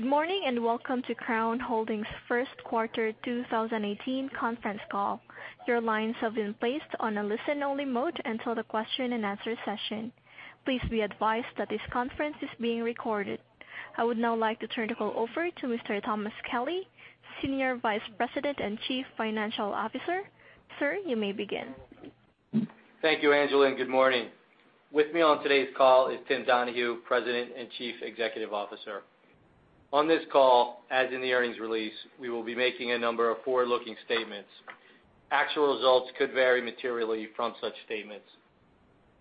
Good morning, and welcome to Crown Holdings' first quarter 2018 conference call. Your lines have been placed on a listen-only mode until the question and answer session. Please be advised that this conference is being recorded. I would now like to turn the call over to Mr. Thomas Kelly, Senior Vice President and Chief Financial Officer. Sir, you may begin. Thank you, Angela, and good morning. With me on today's call is Tim Donahue, President and Chief Executive Officer. On this call, as in the earnings release, we will be making a number of forward-looking statements. Actual results could vary materially from such statements.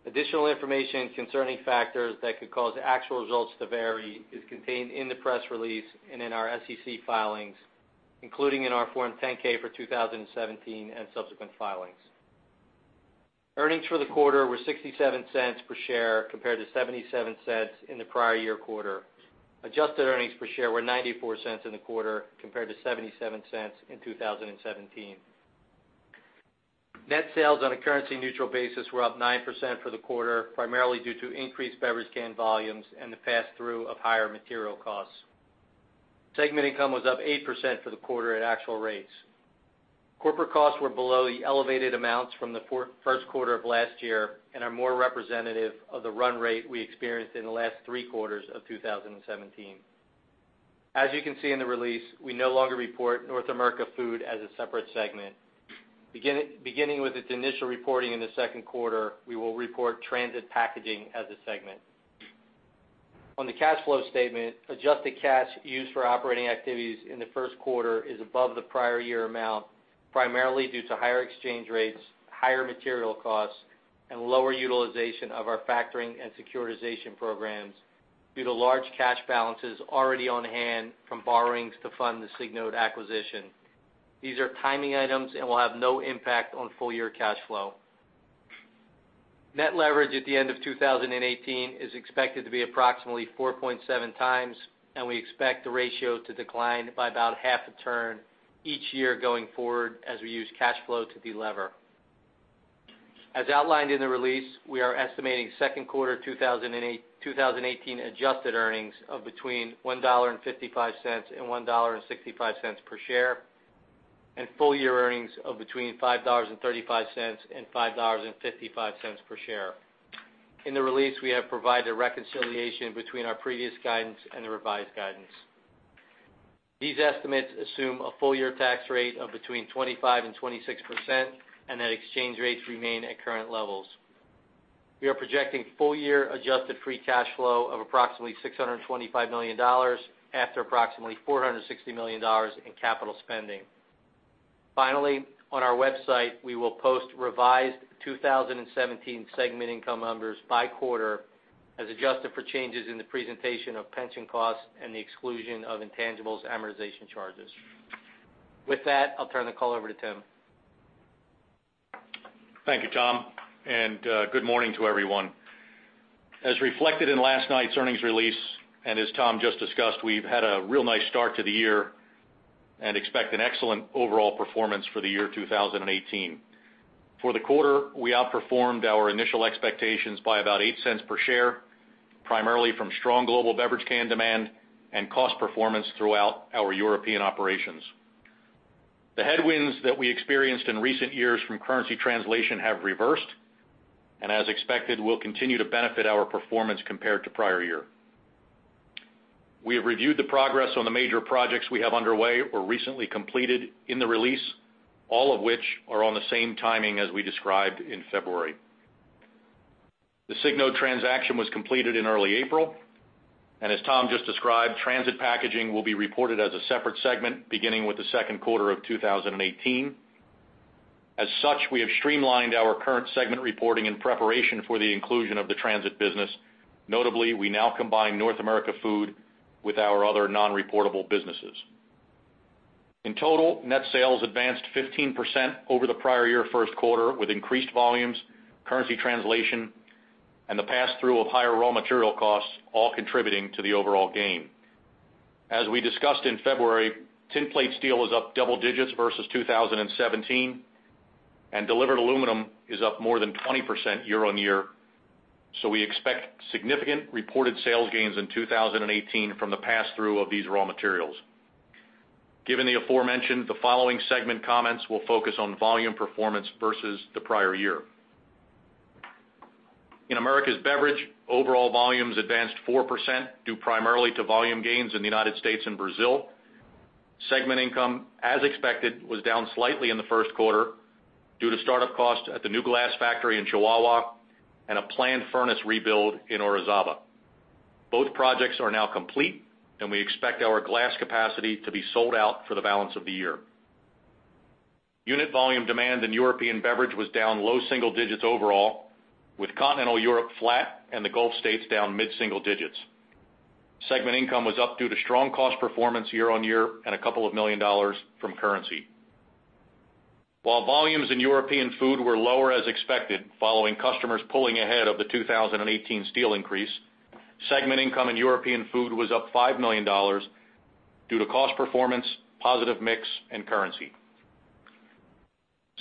Additional information concerning factors that could cause actual results to vary is contained in the press release and in our SEC filings, including in our Form 10-K for 2017 and subsequent filings. Earnings for the quarter were $0.67 per share compared to $0.77 in the prior year quarter. Adjusted earnings per share were $0.94 in the quarter compared to $0.77 in 2017. Net sales on a currency-neutral basis were up 9% for the quarter, primarily due to increased beverage can volumes and the pass-through of higher material costs. Segment income was up 8% for the quarter at actual rates. Corporate costs were below the elevated amounts from the first quarter of last year and are more representative of the run rate we experienced in the last three quarters of 2017. As you can see in the release, we no longer report North America Food as a separate segment. Beginning with its initial reporting in the second quarter, we will report Transit Packaging as a segment. On the cash flow statement, adjusted cash used for operating activities in the first quarter is above the prior year amount, primarily due to higher exchange rates, higher material costs, and lower utilization of our factoring and securitization programs due to large cash balances already on hand from borrowings to fund the Signode acquisition. These are timing items and will have no impact on full-year cash flow. Net leverage at the end of 2018 is expected to be approximately 4.7 times, and we expect the ratio to decline by about half a turn each year going forward as we use cash flow to delever. As outlined in the release, we are estimating second quarter 2018 adjusted earnings of between $1.55 and $1.65 per share, and full-year earnings of between $5.35 and $5.55 per share. In the release, we have provided a reconciliation between our previous guidance and the revised guidance. These estimates assume a full-year tax rate of between 25% and 26% and that exchange rates remain at current levels. We are projecting full-year adjusted free cash flow of approximately $625 million after approximately $460 million in capital spending. Finally, on our website, we will post revised 2017 segment income numbers by quarter as adjusted for changes in the presentation of pension costs and the exclusion of intangibles amortization charges. With that, I'll turn the call over to Tim. Thank you, Tom. Good morning to everyone. As reflected in last night's earnings release, as Tom just discussed, we've had a real nice start to the year and expect an excellent overall performance for the year 2018. For the quarter, we outperformed our initial expectations by about $0.08 per share, primarily from strong global beverage can demand and cost performance throughout our European operations. The headwinds that we experienced in recent years from currency translation have reversed, as expected, will continue to benefit our performance compared to prior year. We have reviewed the progress on the major projects we have underway or recently completed in the release, all of which are on the same timing as we described in February. The Signode transaction was completed in early April, as Tom just described, Transit Packaging will be reported as a separate segment beginning with the second quarter of 2018. As such, we have streamlined our current segment reporting in preparation for the inclusion of the transit business. Notably, we now combine North America Food with our other non-reportable businesses. In total, net sales advanced 15% over the prior year first quarter, with increased volumes, currency translation, and the pass-through of higher raw material costs all contributing to the overall gain. As we discussed in February, tin plate steel is up double digits versus 2017, and delivered aluminum is up more than 20% year-over-year. We expect significant reported sales gains in 2018 from the pass-through of these raw materials. Given the aforementioned, the following segment comments will focus on volume performance versus the prior year. In Americas Beverage, overall volumes advanced 4%, due primarily to volume gains in the U.S. and Brazil. Segment income, as expected, was down slightly in the first quarter due to start-up costs at the new glass factory in Chihuahua and a planned furnace rebuild in Orizaba. Both projects are now complete. We expect our glass capacity to be sold out for the balance of the year. Unit volume demand in European Beverage was down low single digits overall, with Continental Europe flat and the Gulf States down mid-single digits. Segment income was up due to strong cost performance year-over-year and a couple of million USD from currency. While volumes in European Food were lower as expected following customers pulling ahead of the 2018 steel increase, segment income in European Food was up $5 million due to cost performance, positive mix, and currency.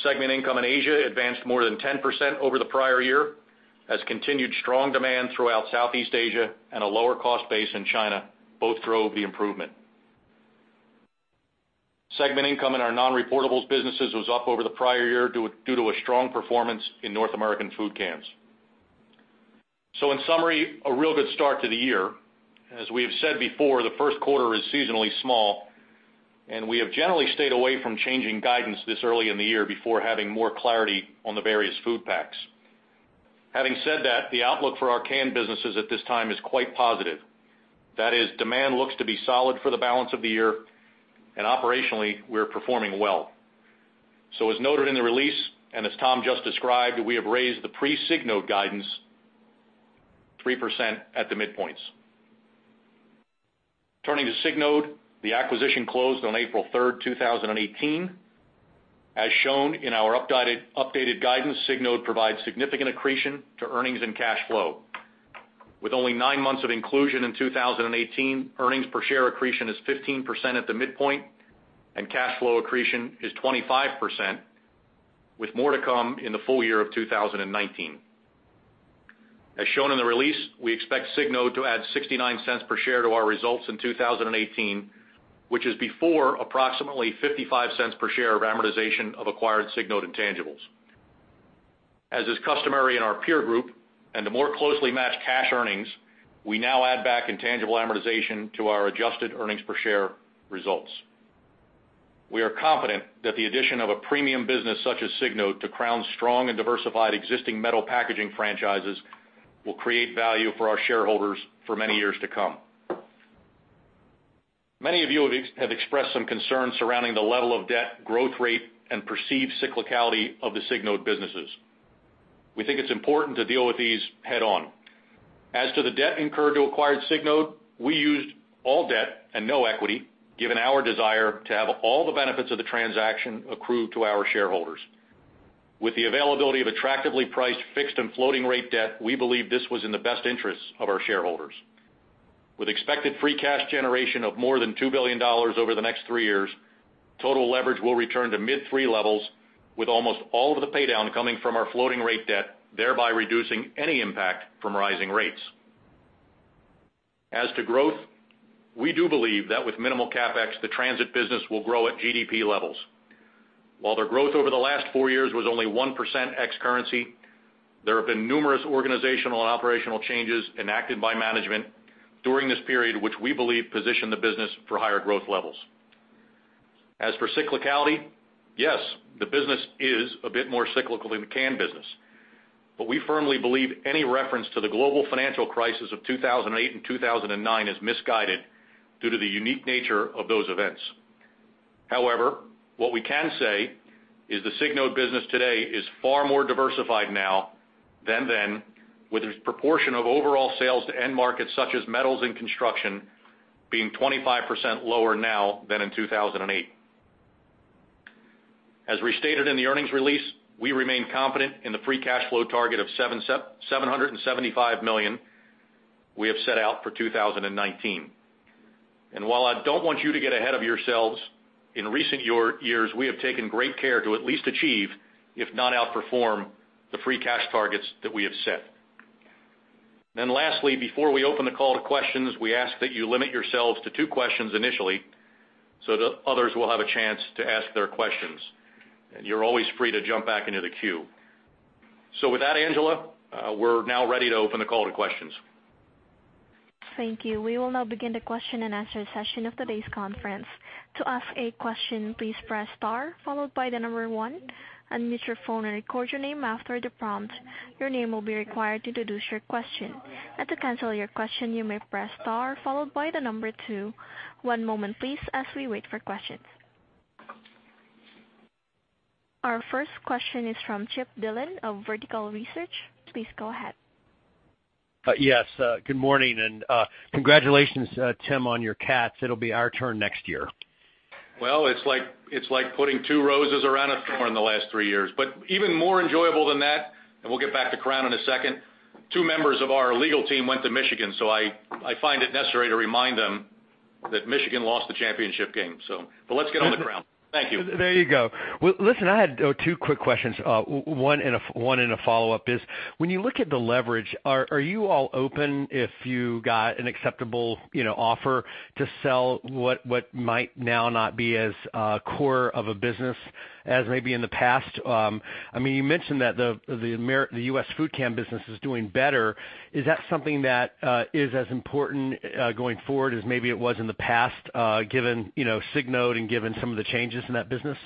Segment income in Asia advanced more than 10% over the prior year, as continued strong demand throughout Southeast Asia and a lower cost base in China both drove the improvement. Segment income in our non-reportables businesses was up over the prior year due to a strong performance in North American food cans. In summary, a real good start to the year. As we have said before, the first quarter is seasonally small, and we have generally stayed away from changing guidance this early in the year before having more clarity on the various food packs. Having said that, the outlook for our can businesses at this time is quite positive. That is, demand looks to be solid for the balance of the year, and operationally, we are performing well. As noted in the release, and as Tom just described, we have raised the pre-Signode guidance 3% at the midpoints. Turning to Signode, the acquisition closed on April 3rd, 2018. As shown in our updated guidance, Signode provides significant accretion to earnings and cash flow. With only nine months of inclusion in 2018, earnings per share accretion is 15% at the midpoint, and cash flow accretion is 25%, with more to come in the full year of 2019. As shown in the release, we expect Signode to add $0.69 per share to our results in 2018, which is before approximately $0.55 per share of amortization of acquired Signode intangibles. As is customary in our peer group and to more closely match cash earnings, we now add back intangible amortization to our adjusted earnings per share results. We are confident that the addition of a premium business such as Signode to Crown's strong and diversified existing metal packaging franchises will create value for our shareholders for many years to come. Many of you have expressed some concern surrounding the level of debt, growth rate, and perceived cyclicality of the Signode businesses. We think it's important to deal with these head-on. As to the debt incurred to acquire Signode, we used all debt and no equity, given our desire to have all the benefits of the transaction accrue to our shareholders. With the availability of attractively priced fixed and floating rate debt, we believe this was in the best interest of our shareholders. With expected free cash generation of more than $2 billion over the next three years, total leverage will return to mid-3 levels, with almost all of the paydown coming from our floating rate debt, thereby reducing any impact from rising rates. As to growth, we do believe that with minimal CapEx, the transit business will grow at GDP levels. While their growth over the last four years was only 1% ex-currency, there have been numerous organizational and operational changes enacted by management during this period, which we believe position the business for higher growth levels. As for cyclicality, yes, the business is a bit more cyclical than the can business. We firmly believe any reference to the global financial crisis of 2008 and 2009 is misguided due to the unique nature of those events. What we can say is the Signode business today is far more diversified now than then, with its proportion of overall sales to end markets such as metals and construction being 25% lower now than in 2008. As restated in the earnings release, we remain confident in the free cash flow target of $775 million we have set out for 2019. While I don't want you to get ahead of yourselves, in recent years, we have taken great care to at least achieve, if not outperform, the free cash targets that we have set. Lastly, before we open the call to questions, we ask that you limit yourselves to two questions initially so that others will have a chance to ask their questions. You're always free to jump back into the queue. With that, Angela, we're now ready to open the call to questions. Thank you. We will now begin the question-and-answer session of today's conference. To ask a question, please press star, followed by the number 1. Unmute your phone and record your name after the prompt. Your name will be required to introduce your question. To cancel your question, you may press star followed by the number 2. One moment, please, as we wait for questions. Our first question is from Chip Dillon of Vertical Research. Please go ahead. Yes. Good morning, congratulations, Tim, on your Wildcats. It'll be our turn next year. Well, it's like putting two roses around a thorn the last three years. Even more enjoyable than that, we'll get back to Crown in a second, two members of our legal team went to Michigan, so I find it necessary to remind them that Michigan lost the championship game. Let's get on to Crown. Thank you. There you go. Well, listen, I had two quick questions. One and a follow-up is, when you look at the leverage, are you all open if you got an acceptable offer to sell what might now not be as core of a business as maybe in the past? You mentioned that the U.S. food can business is doing better. Is that something that is as important going forward as maybe it was in the past, given Signode and given some of the changes in that business?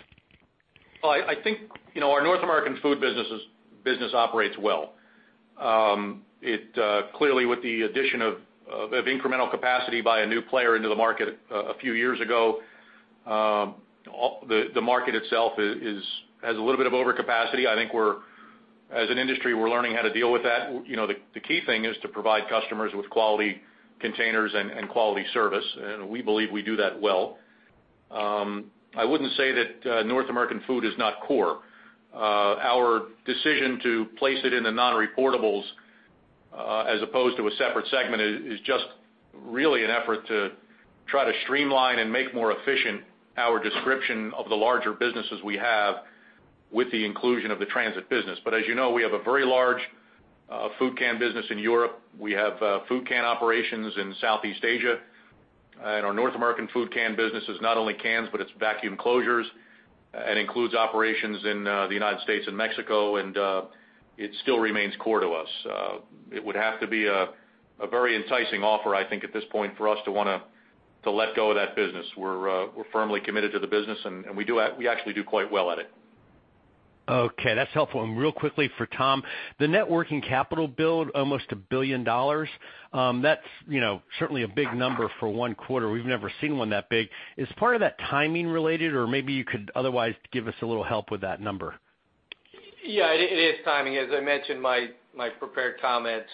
I think our North American food business operates well. Clearly, with the addition of incremental capacity by a new player into the market a few years ago, the market itself has a little bit of overcapacity. I think as an industry, we're learning how to deal with that. The key thing is to provide customers with quality containers and quality service, and we believe we do that well. I wouldn't say that North American food is not core. Our decision to place it in the non-reportables as opposed to a separate segment is just really an effort to try to streamline and make more efficient our description of the larger businesses we have with the inclusion of the transit business. As you know, we have a very large food can business in Europe. We have food can operations in Southeast Asia. Our North American food can business is not only cans, but it's vacuum closures and includes operations in the United States and Mexico. It still remains core to us. It would have to be a very enticing offer, I think, at this point for us to want to let go of that business. We're firmly committed to the business, and we actually do quite well at it. Okay, that's helpful. Real quickly for Tom, the net working capital build, almost $1 billion. That's certainly a big number for one quarter. We've never seen one that big. Is part of that timing related, or maybe you could otherwise give us a little help with that number? Yeah, it is timing. As I mentioned in my prepared comments,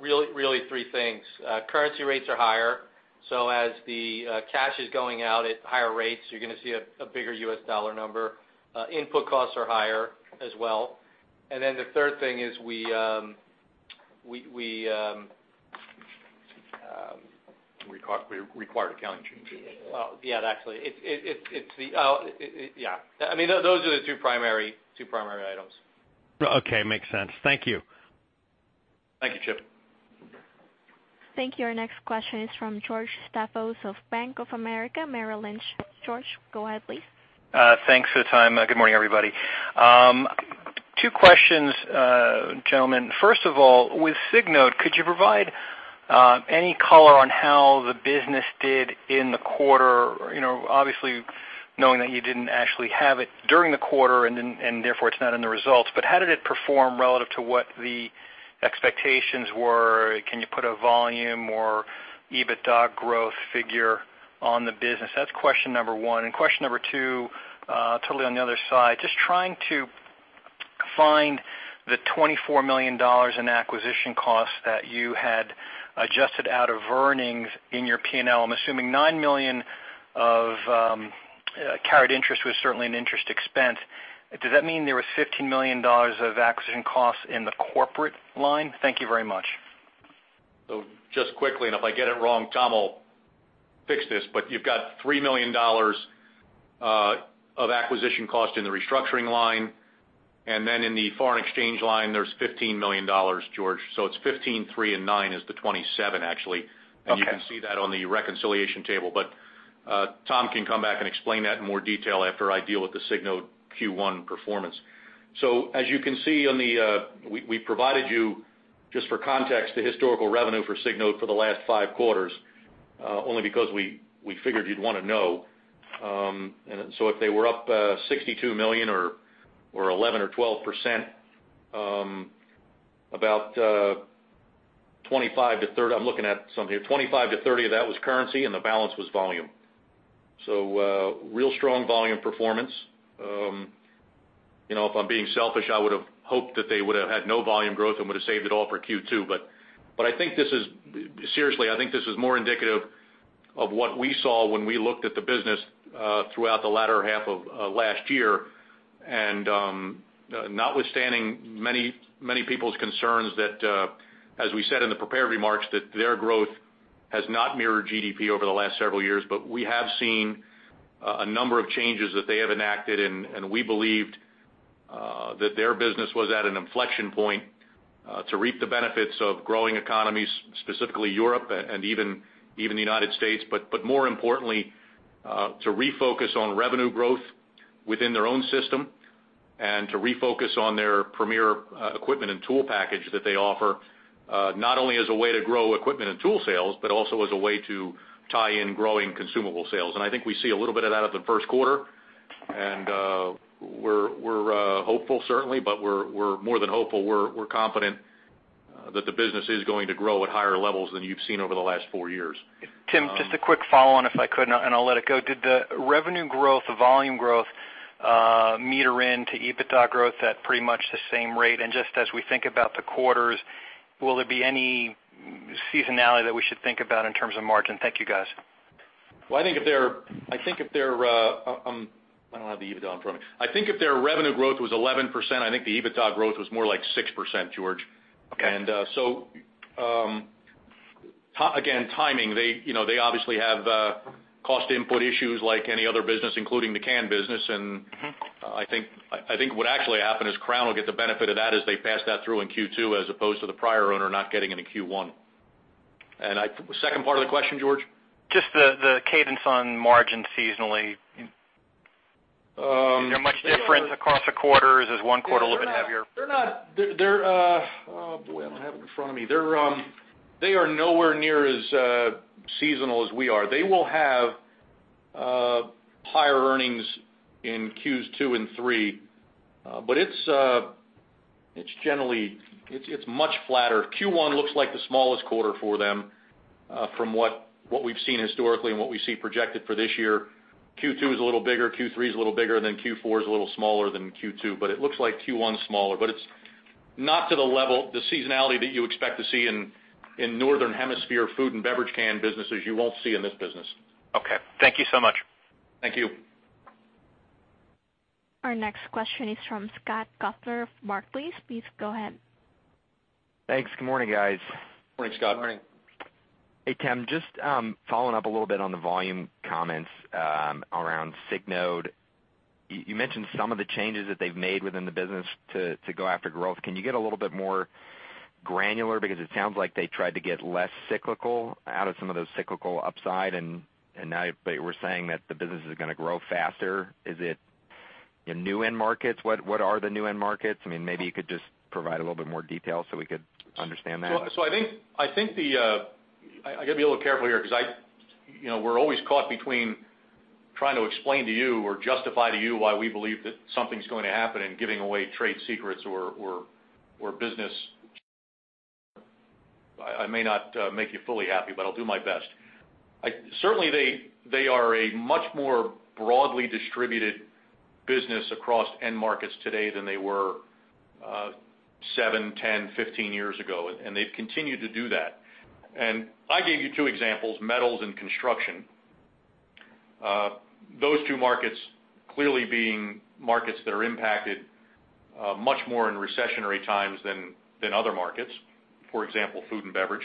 really three things. Currency rates are higher, so as the cash is going out at higher rates, you're going to see a bigger US dollar number. Input costs are higher as well. The third thing is. Required accounting changes. Yeah. Those are the two primary items. Okay. Makes sense. Thank you. Thank you, Chip. Thank you. Our next question is from George Staphos of Bank of America Merrill Lynch. George, go ahead, please. Thanks for the time. Good morning, everybody. Two questions, gentlemen. With Signode, could you provide any color on how the business did in the quarter? Obviously knowing that you didn't actually have it during the quarter, and therefore it's not in the results. How did it perform relative to what the expectations were? Can you put a volume or EBITDA growth figure on the business? That's question number one. Question number two, totally on the other side, just trying to find the $24 million in acquisition costs that you had adjusted out of earnings in your P&L. I'm assuming $9 million of carried interest was certainly an interest expense. Does that mean there was $15 million of acquisition costs in the corporate line? Thank you very much. Just quickly, if I get it wrong, Tom will fix this, you've got $3 million of acquisition cost in the restructuring line, in the foreign exchange line, there's $15 million, George. It's $15, $3, and $9 is the $27, actually. Okay. You can see that on the reconciliation table. But Tom can come back and explain that in more detail after I deal with the Signode Q1 performance. As you can see, we provided you, just for context, the historical revenue for Signode for the last five quarters, only because we figured you'd want to know. If they were up $62 million or 11% or 12%, about $25 million-$30 million, I'm looking at something here, $25 million-$30 million of that was currency, and the balance was volume. So, real strong volume performance. If I'm being selfish, I would've hoped that they would've had no volume growth and would've saved it all for Q2. But seriously, I think this is more indicative of what we saw when we looked at the business throughout the latter half of last year. Notwithstanding many people's concerns that, as we said in the prepared remarks, that their growth has not mirrored GDP over the last several years. But we have seen a number of changes that they have enacted, and we believed that their business was at an inflection point to reap the benefits of growing economies, specifically Europe and even the United States, but more importantly, to refocus on revenue growth within their own system and to refocus on their premier equipment and tool package that they offer, not only as a way to grow equipment and tool sales, but also as a way to tie in growing consumable sales. And I think we see a little bit of that in the first quarter, and we're hopeful, certainly. We're more than hopeful, we're confident that the business is going to grow at higher levels than you've seen over the last four years. Tim, just a quick follow-on if I could, and I'll let it go. Did the revenue growth, the volume growth, meter into EBITDA growth at pretty much the same rate? And just as we think about the quarters, will there be any seasonality that we should think about in terms of margin? Thank you, guys. Well, I don't have the EBITDA in front of me. I think if their revenue growth was 11%, I think the EBITDA growth was more like 6%, George. Okay. Again, timing, they obviously have cost input issues like any other business, including the can business. I think what actually happened is Crown will get the benefit of that as they pass that through in Q2, as opposed to the prior owner not getting it in Q1. Second part of the question, George? Just the cadence on margin seasonally. Um- Is there much difference across the quarters? Is one quarter a little bit heavier? Oh, boy, I don't have it in front of me. They are nowhere near as seasonal as we are. They will have higher earnings in Q2 and Q3. It's much flatter. Q1 looks like the smallest quarter for them from what we've seen historically and what we see projected for this year. Q2 is a little bigger, Q3 is a little bigger, Q4 is a little smaller than Q2, but it looks like Q1 is smaller. It's not to the level, the seasonality that you expect to see in Northern Hemisphere food and beverage can businesses, you won't see in this business. Okay. Thank you so much. Thank you. Our next question is from Scott Gaffner of Barclays. Please go ahead. Thanks. Good morning, guys. Morning, Scott. Morning. Hey, Tim. Just following up a little bit on the volume comments around Signode. You mentioned some of the changes that they've made within the business to go after growth. Can you get a little bit more granular? It sounds like they tried to get less cyclical out of some of those cyclical upside, now they were saying that the business is going to grow faster. Is it in new end markets? What are the new end markets? Maybe you could just provide a little bit more detail so we could understand that. I think I got to be a little careful here because we're always caught between trying to explain to you or justify to you why we believe that something's going to happen and giving away trade secrets or business. I may not make you fully happy, but I'll do my best. Certainly, they are a much more broadly distributed business across end markets today than they were seven, 10, 15 years ago, and they've continued to do that. I gave you two examples, metals and construction. Those two markets clearly being markets that are impacted much more in recessionary times than other markets, for example, food and beverage.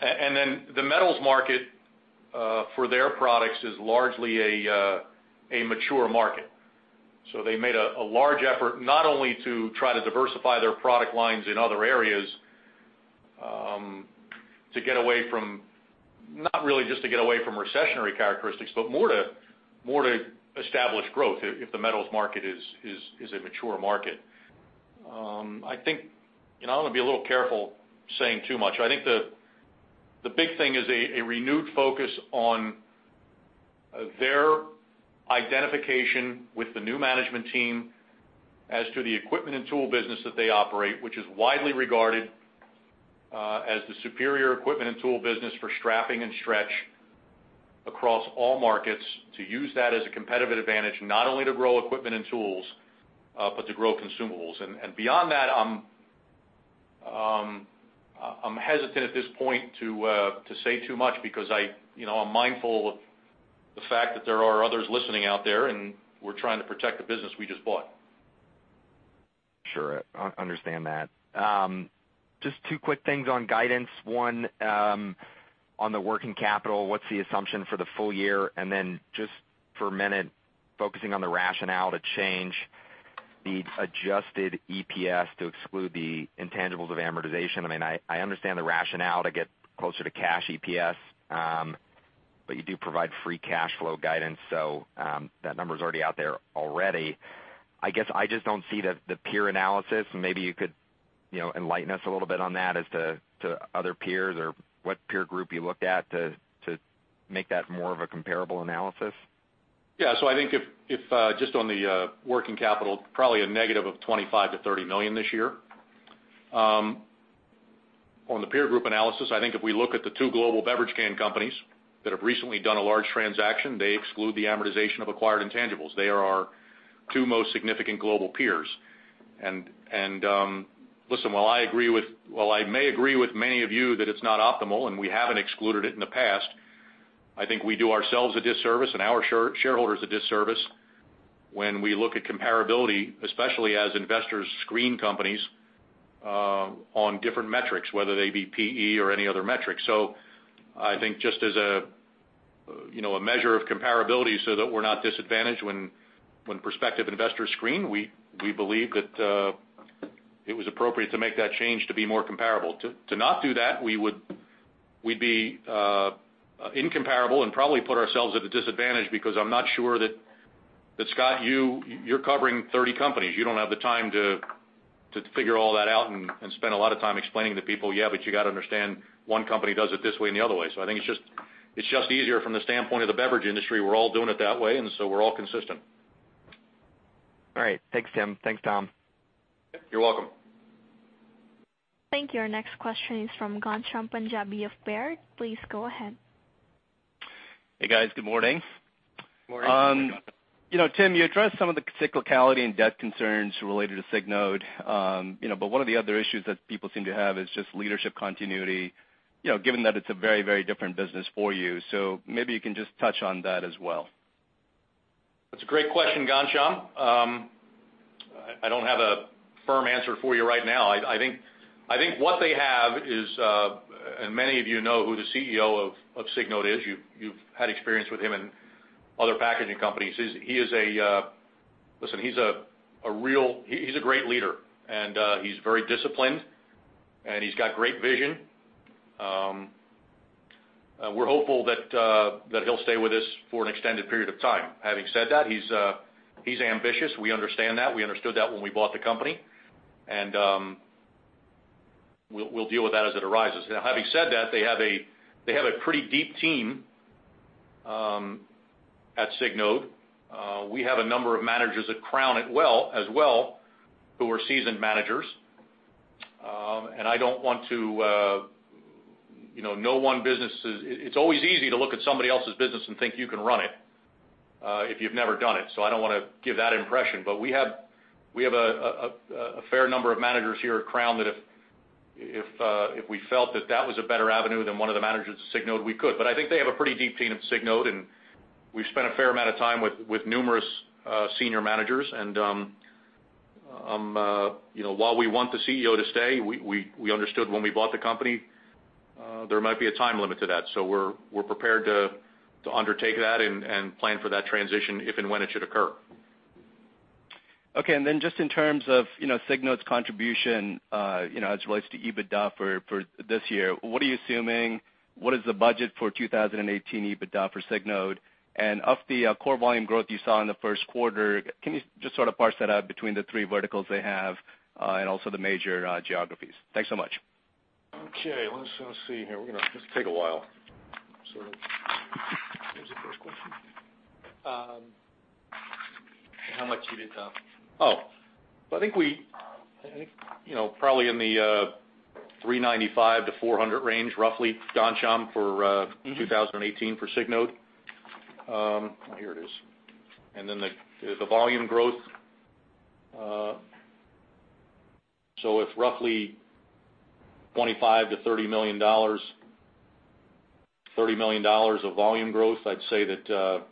Then the metals market, for their products, is largely a mature market. They made a large effort not only to try to diversify their product lines in other areas, not really just to get away from recessionary characteristics, but more to establish growth if the metals market is a mature market. I want to be a little careful saying too much. I think the big thing is a renewed focus on their identification with the new management team as to the equipment and tool business that they operate, which is widely regarded as the superior equipment and tool business for strapping and stretch across all markets, to use that as a competitive advantage, not only to grow equipment and tools but to grow consumables. Beyond that, I'm hesitant at this point to say too much because I'm mindful of the fact that there are others listening out there, and we're trying to protect the business we just bought. Sure. Understand that. Just two quick things on guidance. One, on the working capital, what's the assumption for the full year? Just for a minute, focusing on the rationale to change the adjusted EPS to exclude the intangibles of amortization. I understand the rationale to get closer to cash EPS, but you do provide free cash flow guidance, so that number's already out there already. I guess I just don't see the peer analysis. Maybe you could enlighten us a little bit on that as to other peers or what peer group you looked at to make that more of a comparable analysis. I think if, just on the working capital, probably a negative of $25 million-$30 million this year. On the peer group analysis, I think if we look at the two global beverage can companies that have recently done a large transaction, they exclude the amortization of acquired intangibles. They are our two most significant global peers. Listen, while I may agree with many of you that it's not optimal and we haven't excluded it in the past, I think we do ourselves a disservice and our shareholders a disservice when we look at comparability, especially as investors screen companies on different metrics, whether they be PE or any other metrics. I think just as a measure of comparability so that we're not disadvantaged when prospective investors screen, we believe that it was appropriate to make that change to be more comparable. To not do that, we'd be incomparable and probably put ourselves at a disadvantage because I'm not sure that, Scott, you're covering 30 companies. You don't have the time to figure all that out and spend a lot of time explaining to people, "Yeah, but you got to understand, one company does it this way and the other way." I think it's just easier from the standpoint of the beverage industry. We're all doing it that way, we're all consistent. All right. Thanks, Tim. Thanks, Tom. You're welcome. Thank you. Our next question is from Ghansham Panjabi of Baird. Please go ahead. Hey, guys. Good morning. Morning. Good morning. Tim, you addressed some of the cyclicality and debt concerns related to Signode. One of the other issues that people seem to have is just leadership continuity, given that it's a very different business for you. Maybe you can just touch on that as well. That's a great question, Ghansham. I don't have a firm answer for you right now. I think what they have is, and many of you know who the CEO of Signode is. You've had experience with him in other packaging companies. Listen, he's a great leader, and he's very disciplined, and he's got great vision. We're hopeful that he'll stay with us for an extended period of time. Having said that, he's ambitious. We understand that. We understood that when we bought the company, and we'll deal with that as it arises. Now, having said that, they have a pretty deep team at Signode. We have a number of managers at Crown as well who are seasoned managers. It's always easy to look at somebody else's business and think you can run it If you've never done it. I don't want to give that impression. We have a fair number of managers here at Crown that if we felt that that was a better avenue than one of the managers at Signode, we could. I think they have a pretty deep team at Signode, and we've spent a fair amount of time with numerous senior managers. While we want the CEO to stay, we understood when we bought the company, there might be a time limit to that. We're prepared to undertake that and plan for that transition, if and when it should occur. Okay. Just in terms of Signode's contribution as it relates to EBITDA for this year, what are you assuming? What is the budget for 2018 EBITDA for Signode? Of the core volume growth you saw in the first quarter, can you just sort of parse that out between the three verticals they have, and also the major geographies? Thanks so much. Okay, let's see here. This will take a while. What was the first question? How much EBITDA? Oh. I think probably in the 395-400 range, roughly, Ghansham, for 2018 for Signode. Here it is. The volume growth. With roughly $25 million-$30 million of volume growth, I'd say that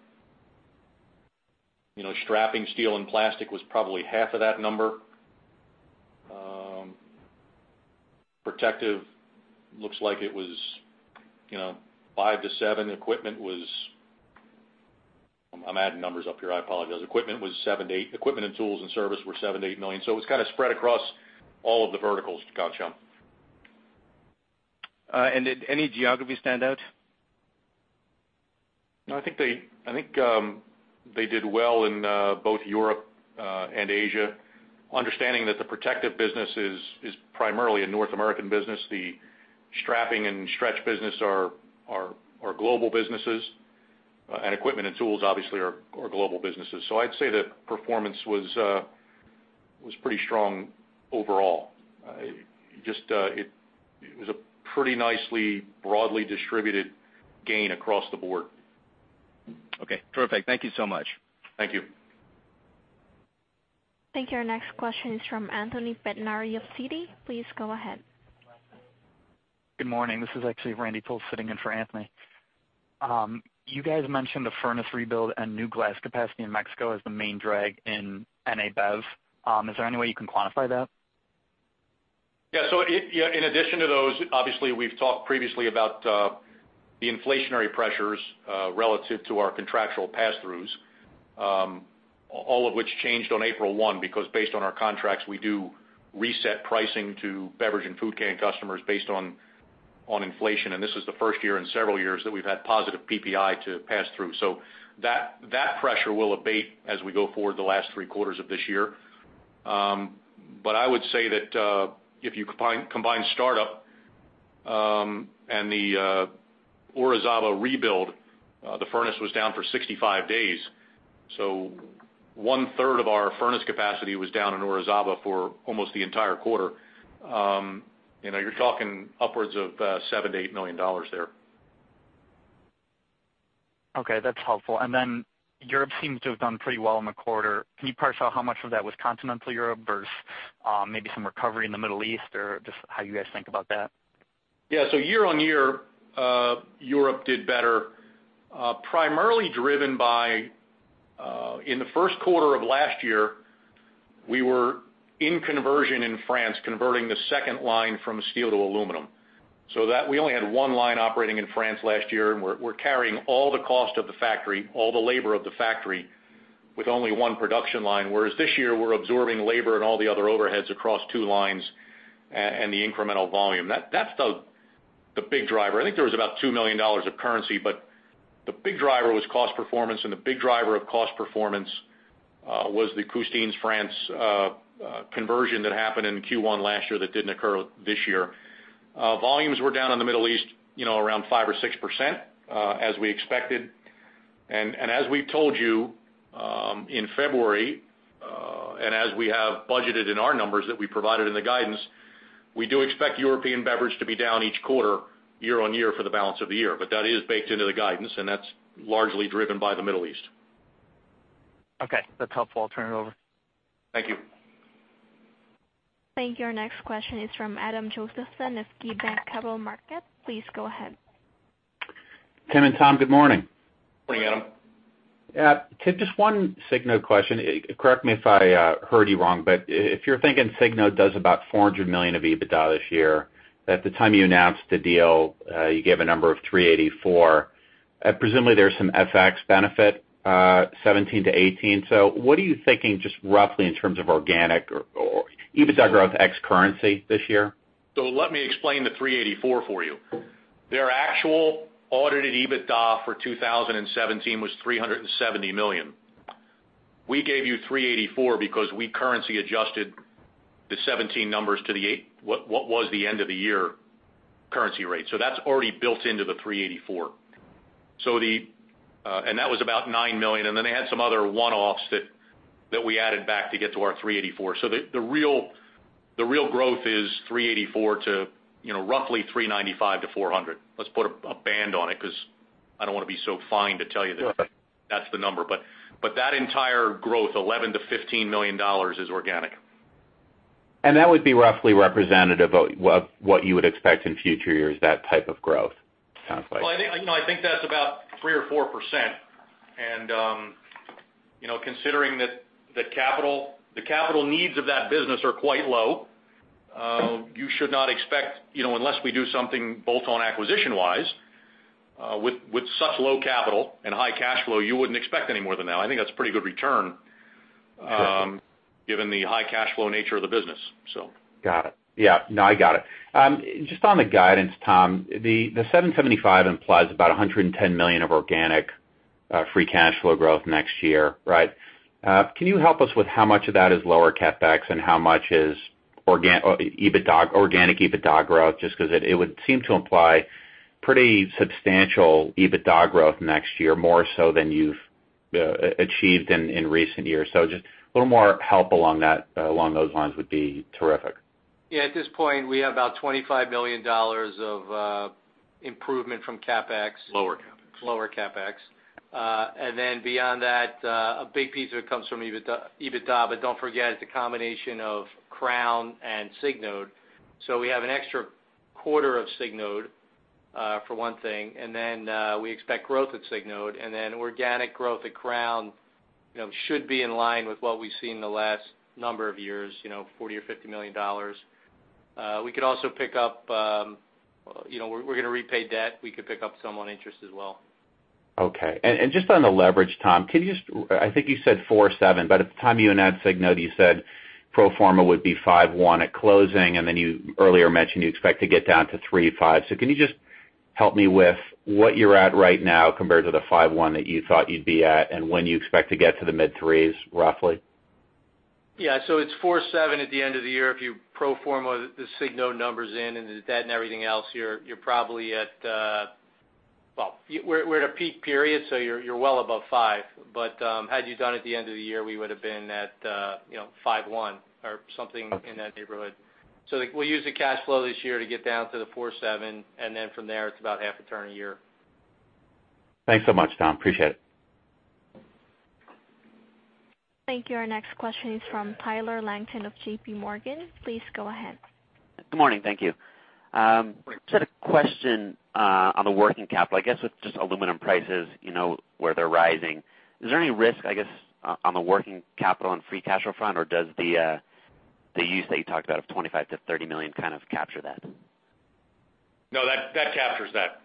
strapping steel and plastic was probably half of that number. Protective looks like it was five to seven. Equipment I'm adding numbers up here. I apologize. Equipment and tools and service were seven to eight million. It was kind of spread across all of the verticals, Ghansham. Did any geography stand out? No, I think they did well in both Europe and Asia. Understanding that the protective business is primarily a North American business. The strapping and stretch business are global businesses, equipment and tools obviously are global businesses. I'd say the performance was pretty strong overall. It was a pretty nicely, broadly distributed gain across the board. Okay, perfect. Thank you so much. Thank you. Thank you. Our next question is from Anthony Pettinari of Citi. Please go ahead. Good morning. This is actually Randy Poole sitting in for Anthony. You guys mentioned the furnace rebuild and new glass capacity in Mexico as the main drag in NA bev. Is there any way you can quantify that? Yeah. In addition to those, obviously we've talked previously about the inflationary pressures relative to our contractual passthroughs. All of which changed on April 1, because based on our contracts, we do reset pricing to beverage and food can customers based on inflation. This is the first year in several years that we've had positive PPI to pass through. That pressure will abate as we go forward the last three quarters of this year. I would say that if you combine startup and the Orizaba rebuild, the furnace was down for 65 days. One third of our furnace capacity was down in Orizaba for almost the entire quarter. You're talking upwards of $7 million-$8 million there. Okay, that's helpful. Europe seems to have done pretty well in the quarter. Can you parse out how much of that was continental Europe versus maybe some recovery in the Middle East? Or just how you guys think about that? Yeah. Year-on-year, Europe did better. Primarily driven by, in the first quarter of last year, we were in conversion in France, converting the second line from steel to aluminum. We only had one line operating in France last year, and we're carrying all the cost of the factory, all the labor of the factory, with only one production line. Whereas this year, we're absorbing labor and all the other overheads across two lines, and the incremental volume. That's the big driver. I think there was about $2 million of currency, but the big driver was cost performance, and the big driver of cost performance was the Custines, France conversion that happened in Q1 last year that didn't occur this year. Volumes were down in the Middle East around 5%-6%, as we expected. As we told you in February, as we have budgeted in our numbers that we provided in the guidance, we do expect European Beverage to be down each quarter, year-on-year for the balance of the year. That is baked into the guidance, and that's largely driven by the Middle East. Okay, that's helpful. I'll turn it over. Thank you. Thank you. Our next question is from Adam Josephson of KeyBanc Capital Markets. Please go ahead. Tim and Tom, good morning. Morning, Adam. Yeah. Tim, just one Signode question. Correct me if I heard you wrong, but if you're thinking Signode does about $400 million of EBITDA this year, at the time you announced the deal, you gave a number of $384. Presumably there's some FX benefit 2017 to 2018. What are you thinking, just roughly, in terms of organic or EBITDA growth ex-currency this year? Let me explain the $384 for you. Their actual audited EBITDA for 2017 was $370 million. We gave you $384 because we currency adjusted the 2017 numbers to what was the end of the year currency rate. That's already built into the $384. That was about $9 million, and then they had some other one-offs that we added back to get to our $384. The real growth is $384 to roughly $395 to $400. Let's put a band on it, because I don't want to be so fine to tell you that. Sure that's the number. That entire growth, $11 million-$15 million, is organic. That would be roughly representative of what you would expect in future years, that type of growth, it sounds like. Well, I think that's about 3% or 4%. Considering that the capital needs of that business are quite low, you should not expect, unless we do something bolt-on acquisition-wise, with such low capital and high cash flow, you wouldn't expect any more than that. I think that's a pretty good return. Sure given the high cash flow nature of the business. Got it. Yeah. No, I got it. Just on the guidance, Tom, the $775 implies about $110 million of organic free cash flow growth next year. Right? Can you help us with how much of that is lower CapEx and how much is organic EBITDA growth, just because it would seem to imply pretty substantial EBITDA growth next year, more so than you've achieved in recent years. Just a little more help along those lines would be terrific. Yeah. At this point, we have about $25 million of improvement from CapEx. Lower CapEx. Beyond that, a big piece of it comes from EBITDA. Don't forget, it's a combination of Crown and Signode. We have an extra quarter of Signode, for one thing, we expect growth at Signode. Organic growth at Crown should be in line with what we've seen in the last number of years, $40 million or $50 million. We're going to repay debt. We could pick up some on interest as well. Okay. Just on the leverage, Tom, I think you said 4.7, but at the time you announced Signode, you said pro forma would be 5.1 at closing. You earlier mentioned you expect to get down to 3.5. Can you just help me with what you're at right now compared to the 5.1 that you thought you'd be at, and when you expect to get to the mid threes, roughly? Yeah. It's 4.7 at the end of the year. If you pro forma the Signode numbers in and the debt and everything else, we're at a peak period, you're well above five. Had you done at the end of the year, we would've been at 5.1 or something in that neighborhood. We'll use the cash flow this year to get down to the 4.7, and then from there, it's about half a turn a year. Thanks so much, Tom. Appreciate it. Thank you. Our next question is from Tyler Langton of JPMorgan. Please go ahead. Good morning. Thank you. Just had a question on the working capital. I guess with just aluminum prices, where they're rising, is there any risk, I guess, on the working capital and free cash flow front, or does the use that you talked about of $25 million-$30 million kind of capture that? No, that captures that.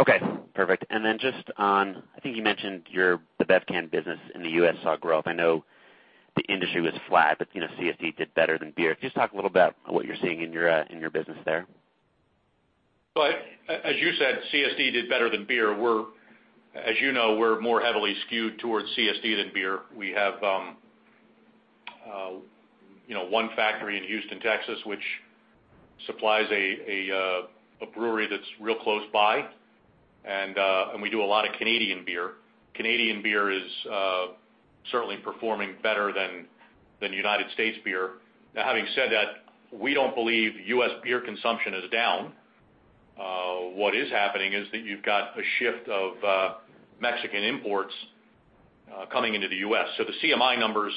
Okay, perfect. Just on, I think you mentioned the Bevcan business in the U.S. saw growth. I know the industry was flat, CSD did better than beer. Can you just talk a little about what you're seeing in your business there? As you said, CSD did better than beer. As you know, we're more heavily skewed towards CSD than beer. We have one factory in Houston, Texas, which supplies a brewery that's real close by, and we do a lot of Canadian beer. Canadian beer is certainly performing better than U.S. beer. Having said that, we don't believe U.S. beer consumption is down. What is happening is that you've got a shift of Mexican imports coming into the U.S. The CMI numbers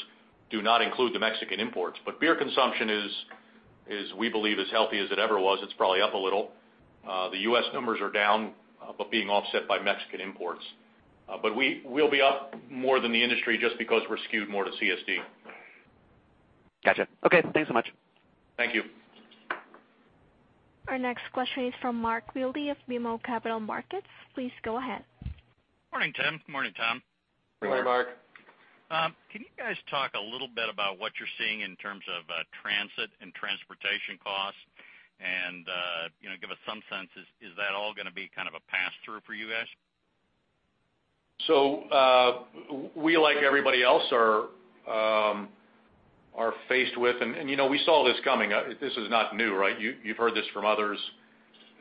do not include the Mexican imports. Beer consumption is, we believe, as healthy as it ever was. It's probably up a little. The U.S. numbers are down, being offset by Mexican imports. We'll be up more than the industry just because we're skewed more to CSD. Got you. Okay. Thanks so much. Thank you. Our next question is from Mark Wilde of BMO Capital Markets. Please go ahead. Morning, Tim. Morning, Tom. Morning, Mark. Can you guys talk a little bit about what you're seeing in terms of transit and transportation costs and give us some sense, is that all going to be kind of a pass-through for you guys? We, like everybody else, are faced with, and we saw this coming. This is not new, right? You've heard this from others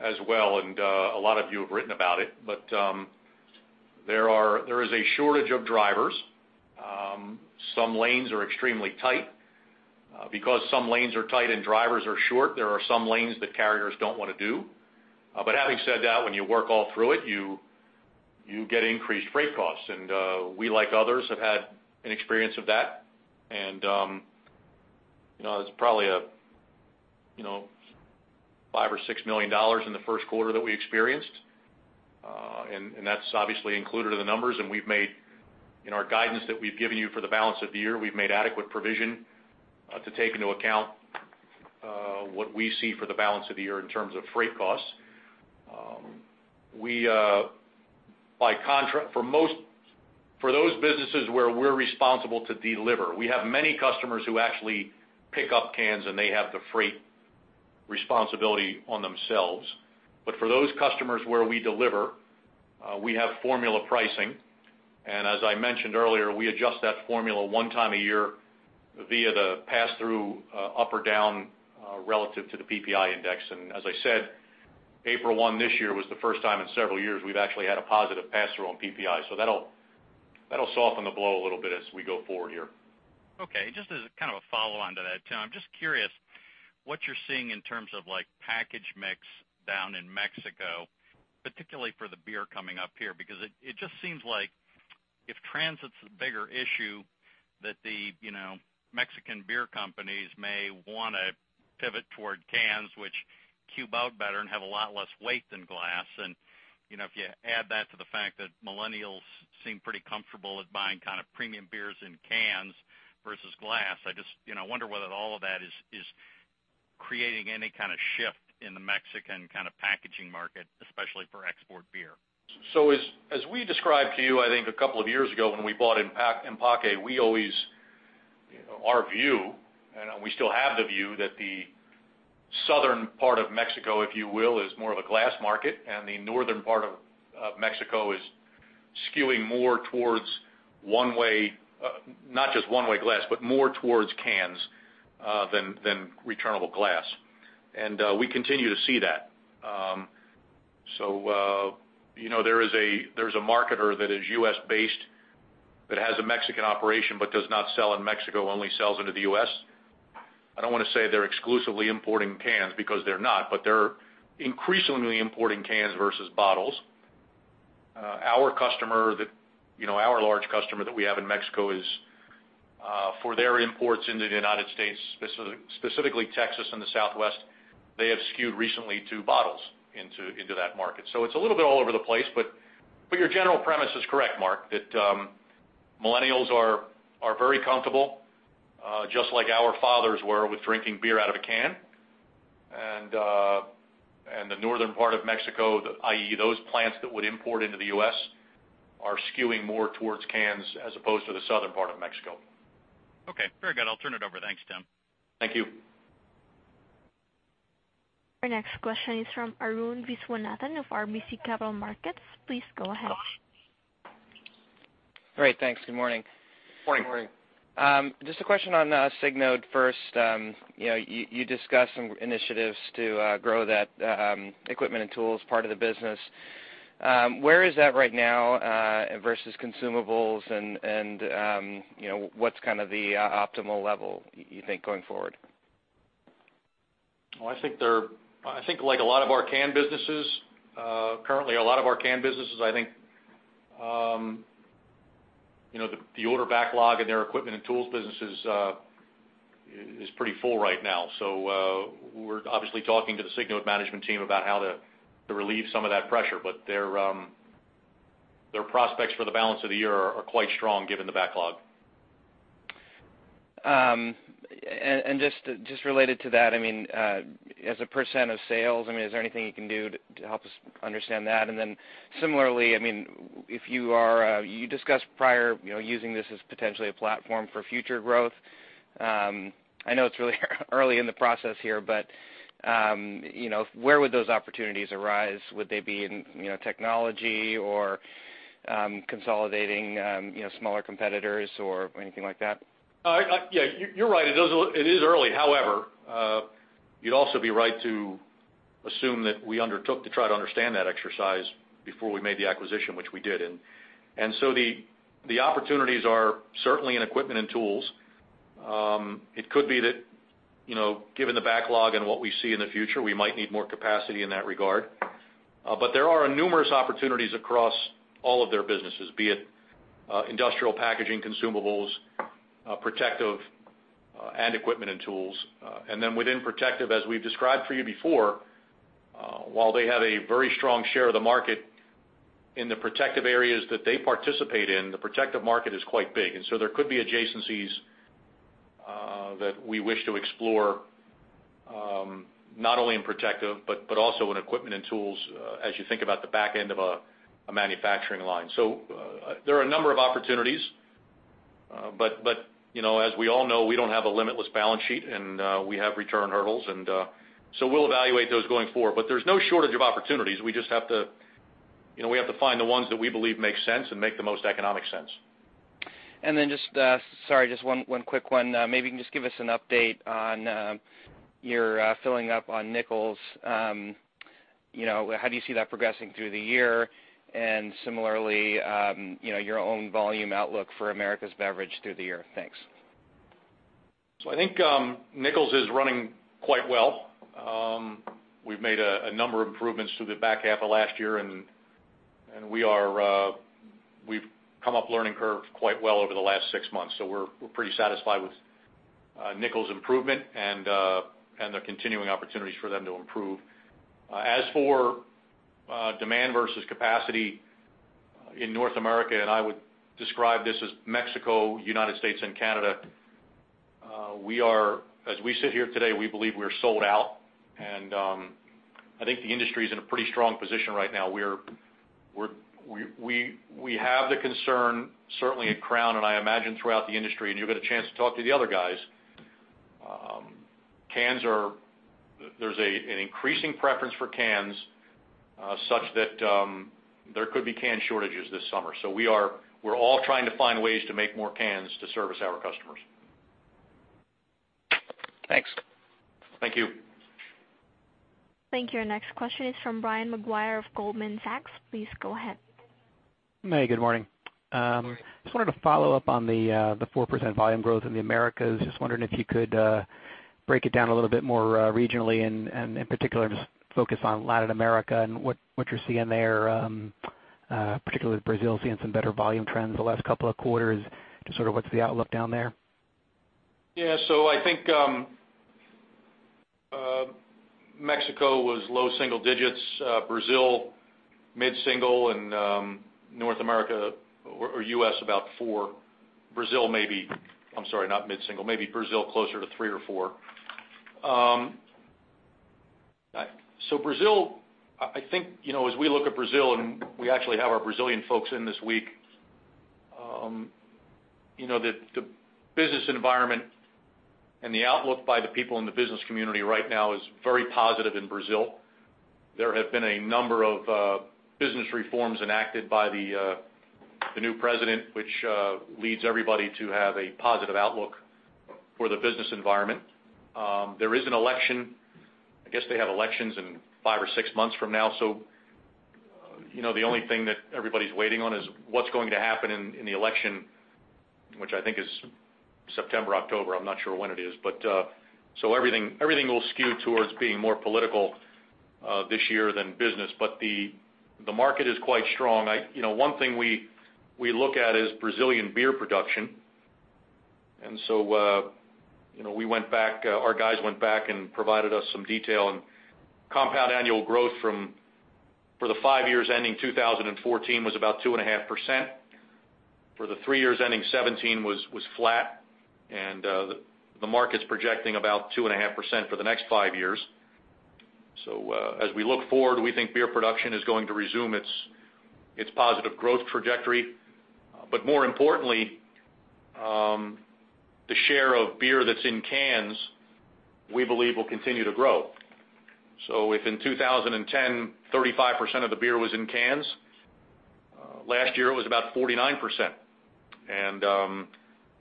as well, and a lot of you have written about it. There is a shortage of drivers. Some lanes are extremely tight. Because some lanes are tight and drivers are short, there are some lanes that carriers don't want to do. Having said that, when you work all through it, you get increased freight costs. We, like others, have had an experience of that. It's probably $5 or $6 million in the first quarter that we experienced. That's obviously included in the numbers, and in our guidance that we've given you for the balance of the year, we've made adequate provision, to take into account what we see for the balance of the year in terms of freight costs. For those businesses where we're responsible to deliver, we have many customers who actually pick up cans, and they have the freight responsibility on themselves. For those customers where we deliver, we have formula pricing. As I mentioned earlier, we adjust that formula one time a year via the pass-through, up or down, relative to the PPI index. As I said April 1 this year was the first time in several years we've actually had a positive pass-through on PPI. That'll soften the blow a little bit as we go forward here. Okay. Just as kind of a follow-on to that, Tim, I'm just curious what you're seeing in terms of package mix down in Mexico, particularly for the beer coming up here, because it just seems like if transit's a bigger issue that the Mexican beer companies may want to pivot toward cans, which cube out better and have a lot less weight than glass. If you add that to the fact that millennials seem pretty comfortable with buying kind of premium beers in cans versus glass, I just wonder whether all of that is creating any kind of shift in the Mexican kind of packaging market, especially for export beer. As we described to you, I think a couple of years ago when we bought EMPAQUE, our view, and we still have the view, that the southern part of Mexico, if you will, is more of a glass market, and the northern part of Mexico is skewing more towards not just one-way glass, but more towards cans than returnable glass. We continue to see that. There's a marketer that is U.S.-based that has a Mexican operation but does not sell in Mexico, only sells into the U.S. I don't want to say they're exclusively importing cans, because they're not, but they're increasingly importing cans versus bottles. Our large customer that we have in Mexico is, for their imports into the United States, specifically Texas and the Southwest, they have skewed recently to bottles into that market. It's a little bit all over the place, but your general premise is correct, Mark, that millennials are very comfortable, just like our fathers were, with drinking beer out of a can. The northern part of Mexico, i.e., those plants that would import into the U.S., are skewing more towards cans as opposed to the southern part of Mexico. Okay, very good. I'll turn it over. Thanks, Tim. Thank you. Our next question is from Arun Viswanathan of RBC Capital Markets. Please go ahead. Great, thanks. Good morning. Morning. Morning. Just a question on Signode first. You discussed some initiatives to grow that equipment and tools part of the business. Where is that right now versus consumables, and what's kind of the optimal level you think, going forward? Well, I think like a lot of our can businesses, currently, I think the order backlog in their equipment and tools businesses is pretty full right now. We're obviously talking to the Signode management team about how to relieve some of that pressure. Their prospects for the balance of the year are quite strong given the backlog. Related to that, as a % of sales, is there anything you can do to help us understand that? Similarly, you discussed prior, using this as potentially a platform for future growth. I know it's really early in the process here, where would those opportunities arise? Would they be in technology or consolidating smaller competitors or anything like that? Yeah, you're right. It is early. You'd also be right to assume that we undertook to try to understand that exercise before we made the acquisition, which we did. The opportunities are certainly in equipment and tools. It could be that, given the backlog and what we see in the future, we might need more capacity in that regard. There are numerous opportunities across all of their businesses, be it industrial packaging, consumables, protective, and equipment and tools. Within protective, as we've described for you before, while they have a very strong share of the market in the protective areas that they participate in, the protective market is quite big. There could be adjacencies that we wish to explore, not only in protective, but also in equipment and tools as you think about the back end of a manufacturing line. There are a number of opportunities. As we all know, we don't have a limitless balance sheet, and we have return hurdles. We'll evaluate those going forward. There's no shortage of opportunities. We have to find the ones that we believe make sense and make the most economic sense. Just, sorry, just one quick one. Maybe you can just give us an update on your filling up on Nichols. How do you see that progressing through the year? Similarly your own volume outlook for Americas Beverage through the year. Thanks. I think Nichols is running quite well. We've made a number of improvements through the back half of last year, and we've come up learning curve quite well over the last six months. We're pretty satisfied with Nichols improvement and the continuing opportunities for them to improve. As for demand versus capacity in North America, and I would describe this as Mexico, U.S. and Canada, as we sit here today, we believe we are sold out, and I think the industry's in a pretty strong position right now. We have the concern, certainly at Crown, and I imagine throughout the industry, and you'll get a chance to talk to the other guys. There's an increasing preference for cans such that there could be can shortages this summer. We're all trying to find ways to make more cans to service our customers. Thanks. Thank you. Thank you. Our next question is from Brian Maguire of Goldman Sachs. Please go ahead. May, good morning. Good morning. Just wanted to follow up on the 4% volume growth in the Americas. Just wondering if you could break it down a little bit more regionally and, in particular, just focus on Latin America and what you're seeing there, particularly with Brazil seeing some better volume trends the last couple of quarters. Just sort of what's the outlook down there? I think, Mexico was low single digits, Brazil mid-single, and North America or U.S. about four. Brazil, maybe I'm sorry, not mid-single. Maybe Brazil closer to three or four. Brazil, I think, as we look at Brazil, and we actually have our Brazilian folks in this week, the business environment and the outlook by the people in the business community right now is very positive in Brazil. There have been a number of business reforms enacted by the new president, which leads everybody to have a positive outlook for the business environment. There is an election. I guess they have elections in five or six months from now, the only thing that everybody's waiting on is what's going to happen in the election, which I think is September, October. I'm not sure when it is. Everything will skew towards being more political this year than business. The market is quite strong. One thing we look at is Brazilian beer production. Our guys went back and provided us some detail, compound annual growth for the five years ending 2014 was about 2.5%. For the three years ending 2017 was flat. The market's projecting about 2.5% for the next five years. As we look forward, we think beer production is going to resume its positive growth trajectory. More importantly, the share of beer that's in cans, we believe will continue to grow. If in 2010, 35% of the beer was in cans, last year it was about 49%.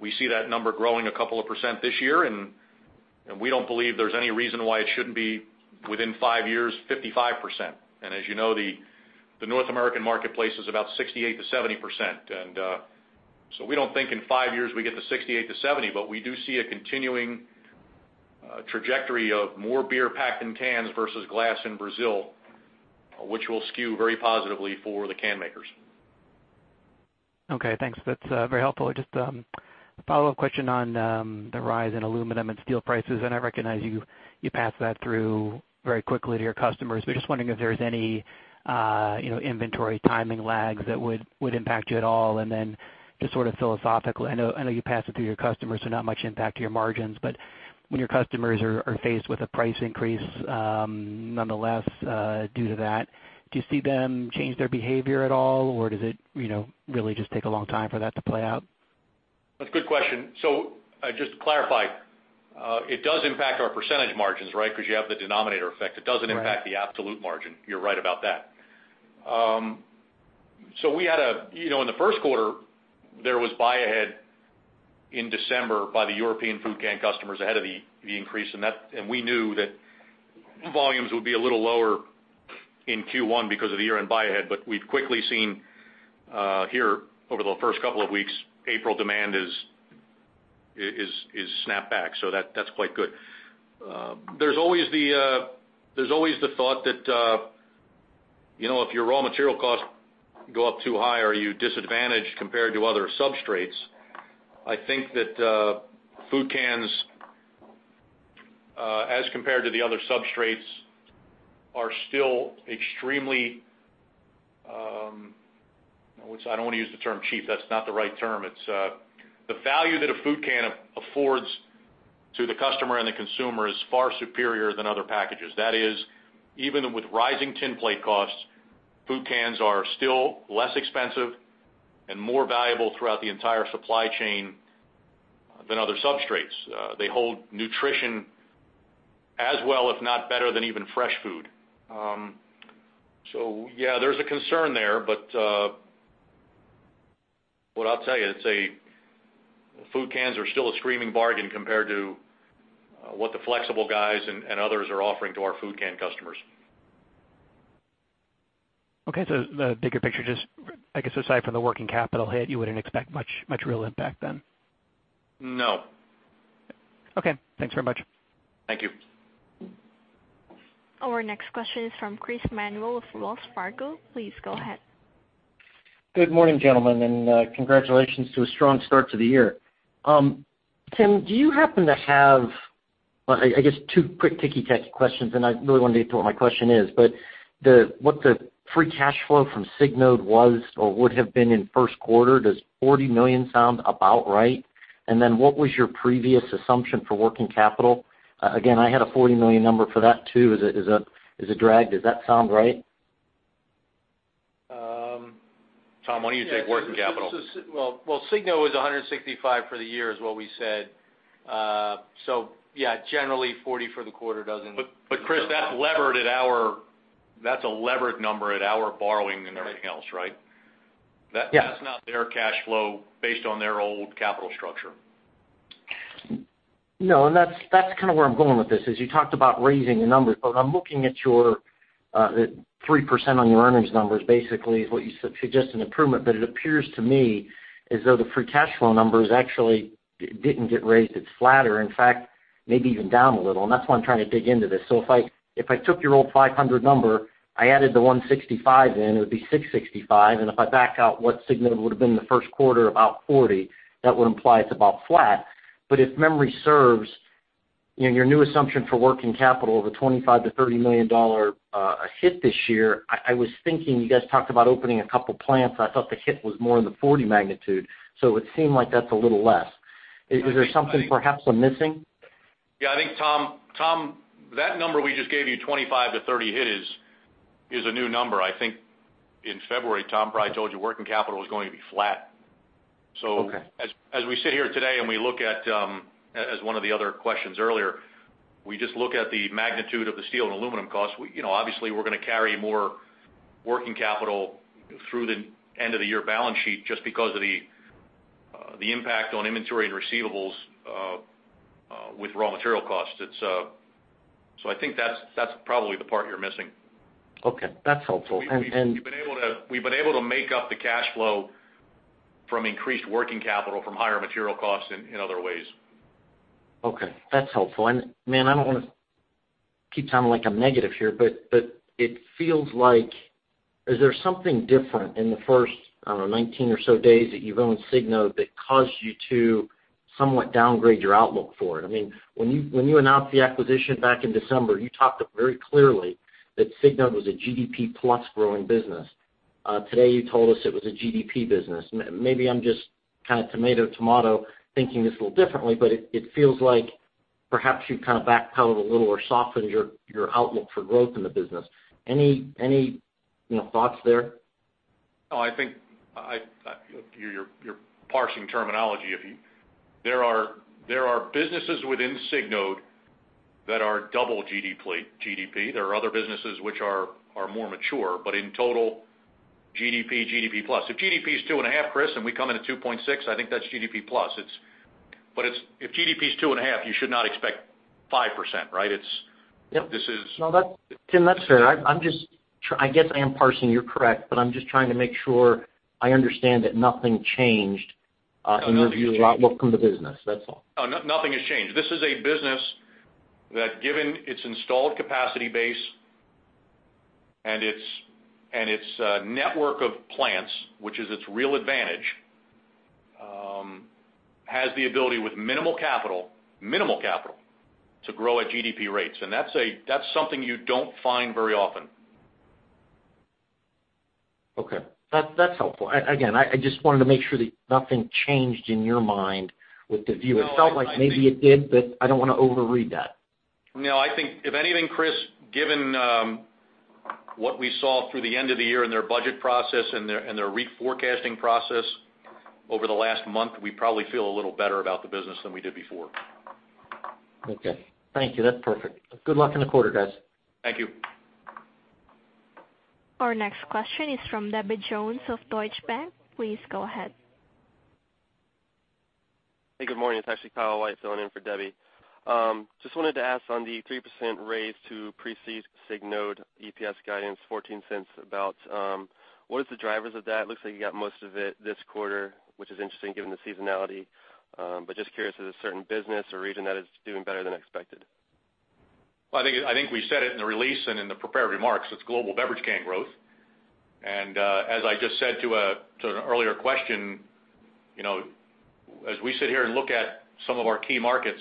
We see that number growing a couple of percent this year, and we don't believe there's any reason why it shouldn't be within five years, 55%. As you know, the North American marketplace is about 68%-70%. We don't think in five years we get to 68-70, but we do see a continuing trajectory of more beer packed in cans versus glass in Brazil, which will skew very positively for the can makers. Okay, thanks. That's very helpful. Just a follow-up question on the rise in aluminum and steel prices, I recognize you pass that through very quickly to your customers, but just wondering if there's any inventory timing lag that would impact you at all. Then just sort of philosophically, I know you pass it through to your customers, so not much impact to your margins, but when your customers are faced with a price increase, nonetheless, due to that, do you see them change their behavior at all, or does it really just take a long time for that to play out? That's a good question. Just to clarify, it does impact our percentage margins, right? Because you have the denominator effect. Right. It doesn't impact the absolute margin. You're right about that. In the first quarter, there was buy ahead in December by the European Food can customers ahead of the increase, and we knew that volumes would be a little lower in Q1 because of the year-end buy ahead. We've quickly seen here over the first couple of weeks, April demand is snap back. That's quite good. There's always the thought that if your raw material costs go up too high, are you disadvantaged compared to other substrates? I think that food cans, as compared to the other substrates, are still extremely I don't want to use the term cheap. That's not the right term. The value that a food can affords to the customer and the consumer is far superior than other packages. That is, even with rising tin plate costs, food cans are still less expensive and more valuable throughout the entire supply chain than other substrates. They hold nutrition as well, if not better than even fresh food. Yeah, there's a concern there, but what I'll tell you, food cans are still a screaming bargain compared to what the flexible guys and others are offering to our food can customers. Okay. The bigger picture, just I guess aside from the working capital hit, you wouldn't expect much real impact then? No. Okay. Thanks very much. Thank you. Our next question is from Chris Manuel with Wells Fargo. Please go ahead. Good morning, gentlemen, and congratulations to a strong start to the year. Tim, do you happen to have, I guess two quick ticky-tacky questions, I really want to get to what my question is, but what the free cash flow from Signode was or would have been in first quarter? Does $40 million sound about right? Then what was your previous assumption for working capital? Again, I had a $40 million number for that, too. Is it dragged? Does that sound right? Tom, why don't you take working capital? Well, Signode was $165 for the year is what we said. Yeah, generally $40 for the quarter doesn't- Chris, that's a levered number at our borrowing and everything else, right? That's not their cash flow based on their old capital structure. That's where I'm going with this, is you talked about raising the numbers, I'm looking at your 3% on your earnings numbers basically is what you suggest an improvement. It appears to me as though the free cash flow numbers actually didn't get raised. It's flatter, in fact, maybe even down a little. That's why I'm trying to dig into this. If I took your old $500 number, I added the $165 in, it would be $665. If I back out what Signode would've been in the first quarter, about $40, that would imply it's about flat. If memory serves, your new assumption for working capital of a $25 to $30 million hit this year, I was thinking you guys talked about opening a couple plants. I thought the hit was more in the $40 magnitude, it would seem like that's a little less. Is there something perhaps I'm missing? I think, Tom, that number we just gave you, $25 to $30 hit is a new number. I think in February, Tom, probably I told you working capital was going to be flat. Okay. As we sit here today and as one of the other questions earlier, we just look at the magnitude of the steel and aluminum costs. Obviously, we're going to carry more working capital through the end of the year balance sheet just because of the impact on inventory and receivables with raw material costs. I think that's probably the part you're missing. Okay, that's helpful. We've been able to make up the cash flow from increased working capital from higher material costs in other ways. Okay, that's helpful. Man, I don't want to keep sounding like I'm negative here, but it feels like, is there something different in the first, I don't know, 19 or so days that you've owned Signode that caused you to somewhat downgrade your outlook for it? When you announced the acquisition back in December, you talked very clearly that Signode was a GDP plus growing business. Today, you told us it was a GDP business. Maybe I'm just kind of tomato thinking this a little differently, but it feels like perhaps you've kind of backpedaled a little or softened your outlook for growth in the business. Any thoughts there? No, I think you're parsing terminology. There are businesses within Signode that are double GDP. There are other businesses which are more mature, but in total, GDP plus. If GDP is 2.5, Chris, we come in at 2.6, I think that's GDP plus. If GDP is 2.5, you should not expect 5%, right? Yep. This is- No, Tim, that's fair. I guess I am parsing, you're correct, but I'm just trying to make sure I understand that nothing changed- No, nothing's changed. in your view of the outlook on the business. That's all. No, nothing has changed. This is a business that given its installed capacity base and its network of plants, which is its real advantage, has the ability with minimal capital to grow at GDP rates. That's something you don't find very often. Okay. That's helpful. I just wanted to make sure that nothing changed in your mind with the view. No. It felt like maybe it did, but I don't want to overread that. No, I think if anything, Chris, given what we saw through the end of the year in their budget process and their reforecasting process over the last month, we probably feel a little better about the business than we did before. Okay. Thank you. That's perfect. Good luck in the quarter, guys. Thank you. Our next question is from Debbie Jones of Deutsche Bank. Please go ahead. Hey, good morning. It's actually Kyle White filling in for Debbie. Just wanted to ask on the 3% raise to pre-Signode EPS guidance $0.14 about, what is the drivers of that? Looks like you got most of it this quarter, which is interesting given the seasonality. Just curious if there's a certain business or region that is doing better than expected. Well, I think we said it in the release and in the prepared remarks, it's global beverage can growth. As I just said to an earlier question, as we sit here and look at some of our key markets,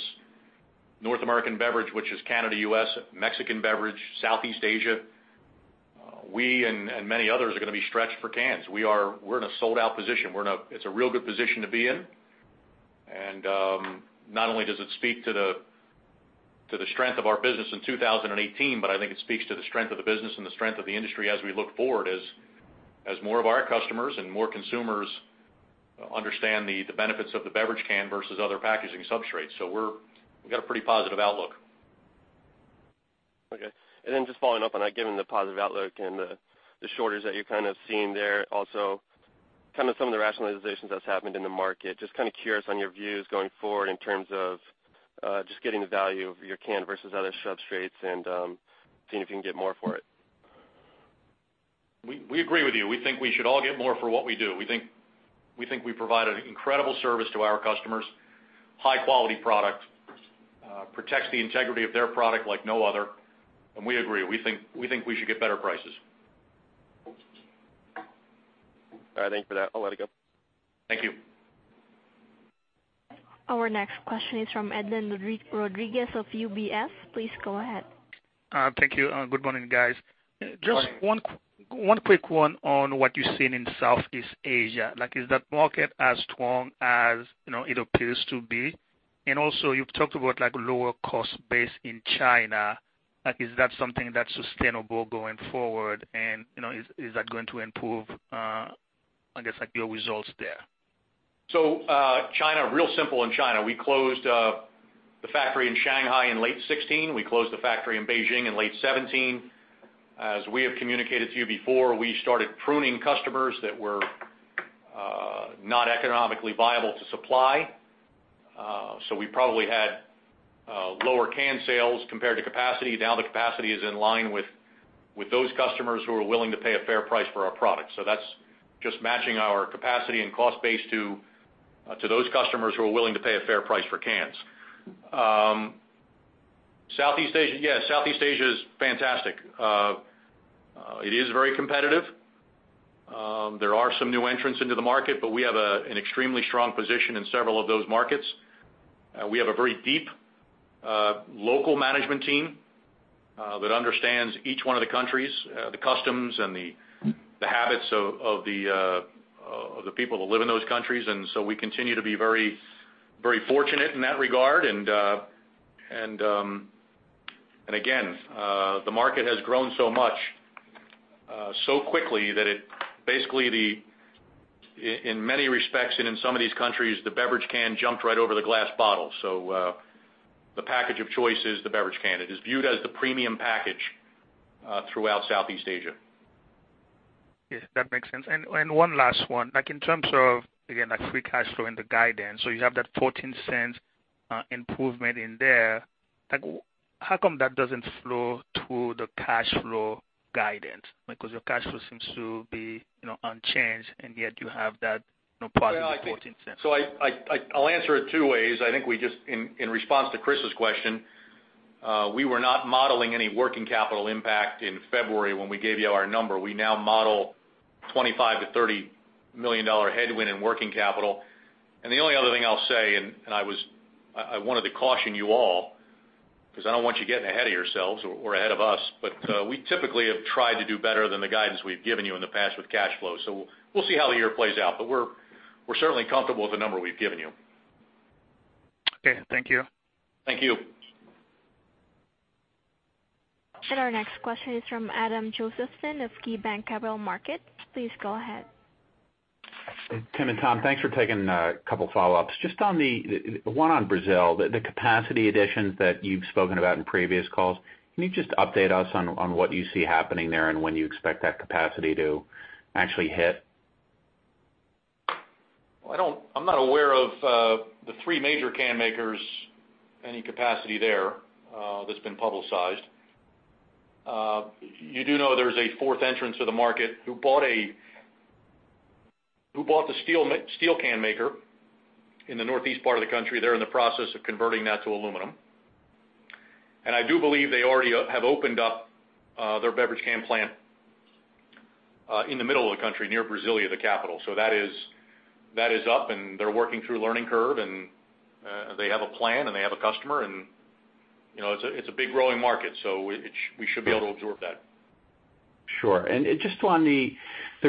North American beverage, which is Canada, U.S., Mexican beverage, Southeast Asia, we and many others are going to be stretched for cans. We're in a sold-out position. It's a real good position to be in. Not only does it speak to the strength of our business in 2018, but I think it speaks to the strength of the business and the strength of the industry as we look forward, as more of our customers and more consumers understand the benefits of the beverage can versus other packaging substrates. We've got a pretty positive outlook. Okay. Just following up on that, given the positive outlook and the shortage that you're kind of seeing there, also some of the rationalizations that's happened in the market, just kind of curious on your views going forward in terms of just getting the value of your can versus other substrates and seeing if you can get more for it. We agree with you. We think we should all get more for what we do. We think we provide an incredible service to our customers, high quality product, protects the integrity of their product like no other. We agree. We think we should get better prices. All right, thank you for that. I'll let it go. Thank you. Our next question is from Edlain Rodriguez of UBS. Please go ahead. Thank you. Good morning, guys. Morning. Also, you've talked about lower cost base in China. Is that something that's sustainable going forward? Is that going to improve, I guess, your results there? Real simple in China, we closed the factory in Shanghai in late 2016. We closed the factory in Beijing in late 2017. As we have communicated to you before, we started pruning customers that were not economically viable to supply. We probably had lower can sales compared to capacity. Now the capacity is in line with those customers who are willing to pay a fair price for our products. That's just matching our capacity and cost base to those customers who are willing to pay a fair price for cans. Southeast Asia is fantastic. It is very competitive. There are some new entrants into the market, but we have an extremely strong position in several of those markets. We have a very deep, local management team that understands each one of the countries, the customs, and the habits of the people that live in those countries. We continue to be very fortunate in that regard. Again, the market has grown so much, so quickly that it basically, in many respects and in some of these countries, the beverage can jumped right over the glass bottle. The package of choice is the beverage can. It is viewed as the premium package throughout Southeast Asia. Yes, that makes sense. One last one. In terms of, again, free cash flow and the guidance, you have that $0.14 improvement in there. How come that doesn't flow through the cash flow guidance? Your cash flow seems to be unchanged, and yet you have that positive $0.14. I'll answer it two ways. I think in response to Chris's question, we were not modeling any working capital impact in February when we gave you our number. We now model $25 million-$30 million headwind in working capital. The only other thing I'll say, and I wanted to caution you all, because I don't want you getting ahead of yourselves or ahead of us, we typically have tried to do better than the guidance we've given you in the past with cash flow. We'll see how the year plays out. We're certainly comfortable with the number we've given you. Okay, thank you. Thank you. Our next question is from Adam Josephson of KeyBanc Capital Markets. Please go ahead. Tim and Tom, thanks for taking a couple follow-ups. One on Brazil, the capacity additions that you've spoken about in previous calls. Can you just update us on what you see happening there and when you expect that capacity to actually hit? I'm not aware of the three major can makers, any capacity there that's been publicized. You do know there's a fourth entrance to the market who bought the steel can maker in the northeast part of the country. They're in the process of converting that to aluminum. I do believe they already have opened up their beverage can plant in the middle of the country, near Brasilia, the capital. That is up, and they're working through a learning curve, and they have a plan, and they have a customer, and it's a big growing market. We should be able to absorb that. Sure. Just on the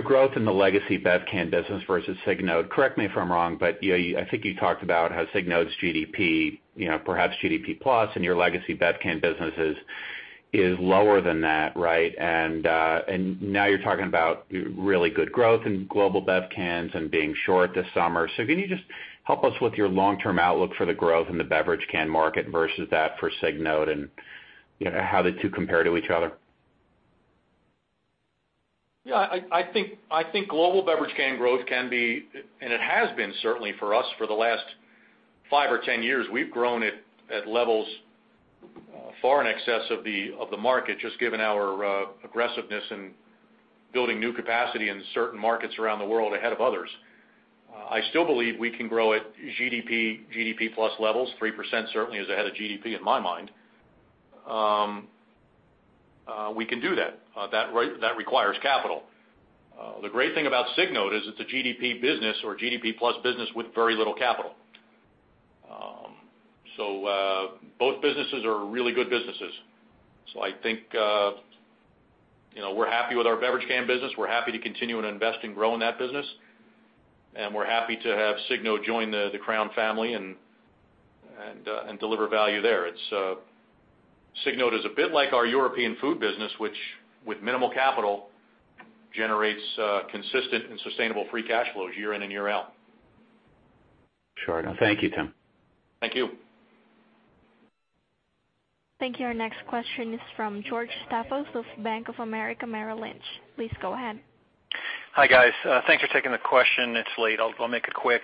growth in the legacy bev can business versus Signode. Correct me if I'm wrong, but I think you talked about how Signode's GDP, perhaps GDP plus, and your legacy bev can businesses is lower than that, right? Now you're talking about really good growth in global bev cans and being short this summer. Can you just help us with your long-term outlook for the growth in the beverage can market versus that for Signode and how the two compare to each other? Yeah, I think global beverage can growth can be, and it has been certainly for us for the last five or 10 years. We've grown at levels far in excess of the market, just given our aggressiveness in building new capacity in certain markets around the world ahead of others. I still believe we can grow at GDP plus levels, 3% certainly is ahead of GDP in my mind. We can do that. That requires capital. The great thing about Signode is it's a GDP business or GDP plus business with very little capital. Both businesses are really good businesses. I think we're happy with our beverage can business. We're happy to continue to invest in growing that business, and we're happy to have Signode join the Crown family and deliver value there. Signode is a bit like our European Food business, which with minimal capital, generates consistent and sustainable free cash flows year in and year out. Sure enough. Thank you, Tim. Thank you. Thank you. Our next question is from George Staphos of Bank of America Merrill Lynch. Please go ahead. Hi, guys. Thanks for taking the question. It's late. I'll make it quick.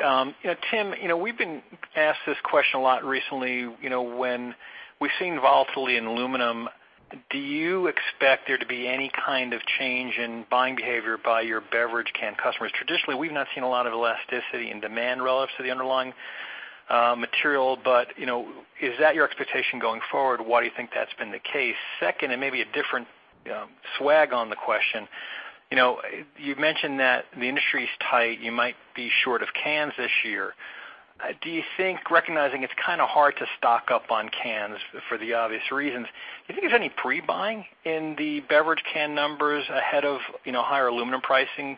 Tim, we've been asked this question a lot recently. When we've seen volatility in aluminum, do you expect there to be any kind of change in buying behavior by your beverage can customers? Traditionally, we've not seen a lot of elasticity in demand relative to the underlying material. Is that your expectation going forward? Why do you think that's been the case? Second, maybe a different swag on the question. You've mentioned that the industry's tight, you might be short of cans this year. Recognizing it's kind of hard to stock up on cans for the obvious reasons, do you think there's any pre-buying in the beverage can numbers ahead of higher aluminum pricing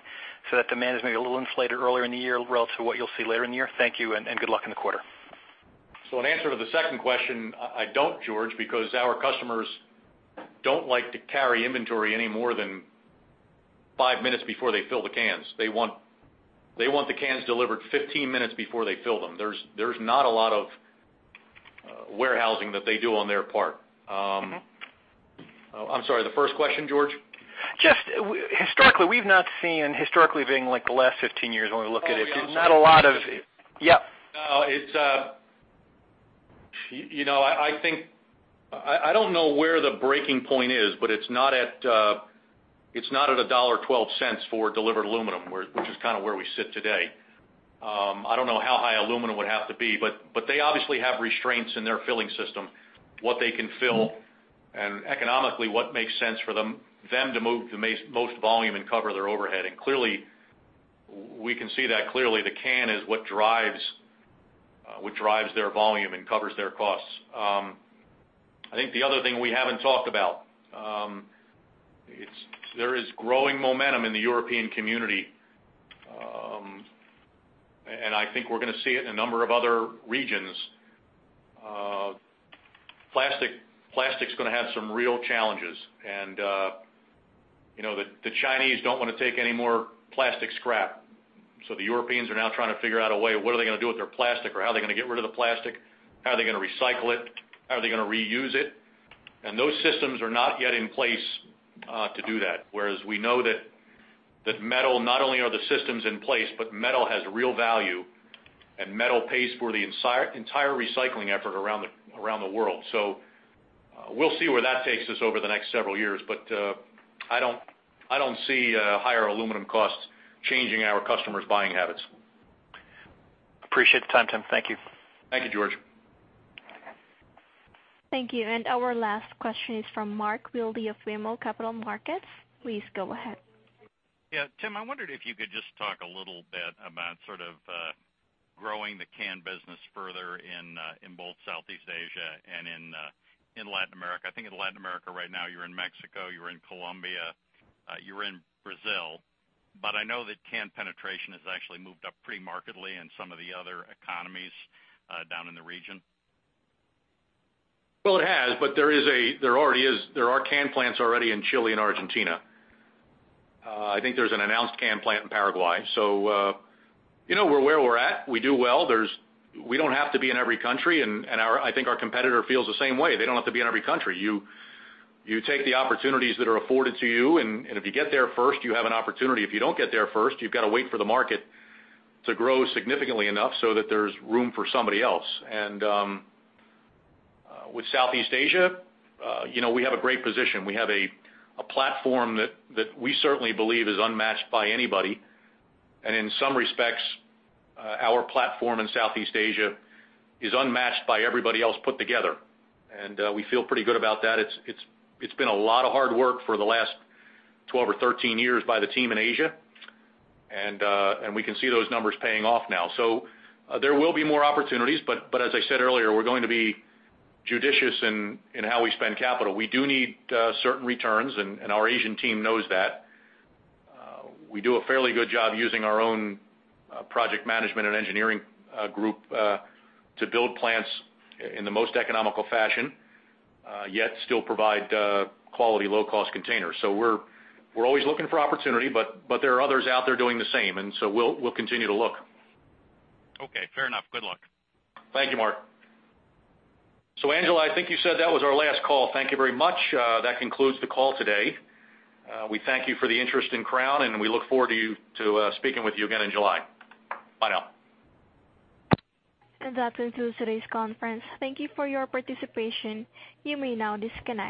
so that demand is maybe a little inflated earlier in the year relative to what you'll see later in the year? Thank you, and good luck in the quarter. In answer to the second question, I don't, George, because our customers don't like to carry inventory any more than five minutes before they fill the cans. They want the cans delivered 15 minutes before they fill them. There's not a lot of warehousing that they do on their part. I'm sorry, the first question, George? Just historically, we've not seen, historically being like the last 15 years when we look at it. Oh, yeah. I'm sorry not a lot of Yes. No, I think, I don't know where the breaking point is, but it's not at $1.12 for delivered aluminum, which is kind of where we sit today. I don't know how high aluminum would have to be, but they obviously have restraints in their filling system, what they can fill, and economically what makes sense for them to move the most volume and cover their overhead. Clearly, we can see that clearly the can is what drives their volume and covers their costs. I think the other thing we haven't talked about, there is growing momentum in the European community. I think we're going to see it in a number of other regions. Plastic's going to have some real challenges and the Chinese don't want to take any more plastic scrap. The Europeans are now trying to figure out a way, what are they going to do with their plastic? How are they going to get rid of the plastic? How are they going to recycle it? How are they going to reuse it? Those systems are not yet in place to do that. Whereas we know that metal, not only are the systems in place, but metal has real value, and metal pays for the entire recycling effort around the world. We will see where that takes us over the next several years. I do not see higher aluminum costs changing our customers' buying habits. Appreciate the time, Tim. Thank you. Thank you, George. Thank you. Our last question is from Mark Willi of William Blair Capital Markets. Please go ahead. Yeah. Tim, I wondered if you could just talk a little bit about sort of growing the can business further in both Southeast Asia and in Latin America. I think in Latin America right now, you're in Mexico, you're in Colombia, you're in Brazil. I know that can penetration has actually moved up pretty markedly in some of the other economies down in the region. It has, there are can plants already in Chile and Argentina. I think there's an announced can plant in Paraguay. We're where we're at. We do well. We don't have to be in every country, and I think our competitor feels the same way. They don't have to be in every country. You take the opportunities that are afforded to you, and if you get there first, you have an opportunity. If you don't get there first, you've got to wait for the market to grow significantly enough so that there's room for somebody else. With Southeast Asia, we have a great position. We have a platform that we certainly believe is unmatched by anybody. In some respects, our platform in Southeast Asia is unmatched by everybody else put together. We feel pretty good about that. It's been a lot of hard work for the last 12 or 13 years by the team in Asia. We can see those numbers paying off now. There will be more opportunities, but as I said earlier, we're going to be judicious in how we spend capital. We do need certain returns, and our Asian team knows that. We do a fairly good job using our own project management and engineering group to build plants in the most economical fashion, yet still provide quality, low-cost containers. We're always looking for opportunity, but there are others out there doing the same, we'll continue to look. Okay. Fair enough. Good luck. Thank you, Mark. Angela, I think you said that was our last call. Thank you very much. That concludes the call today. We thank you for the interest in Crown, and we look forward to speaking with you again in July. Bye now. That concludes today's conference. Thank you for your participation. You may now disconnect.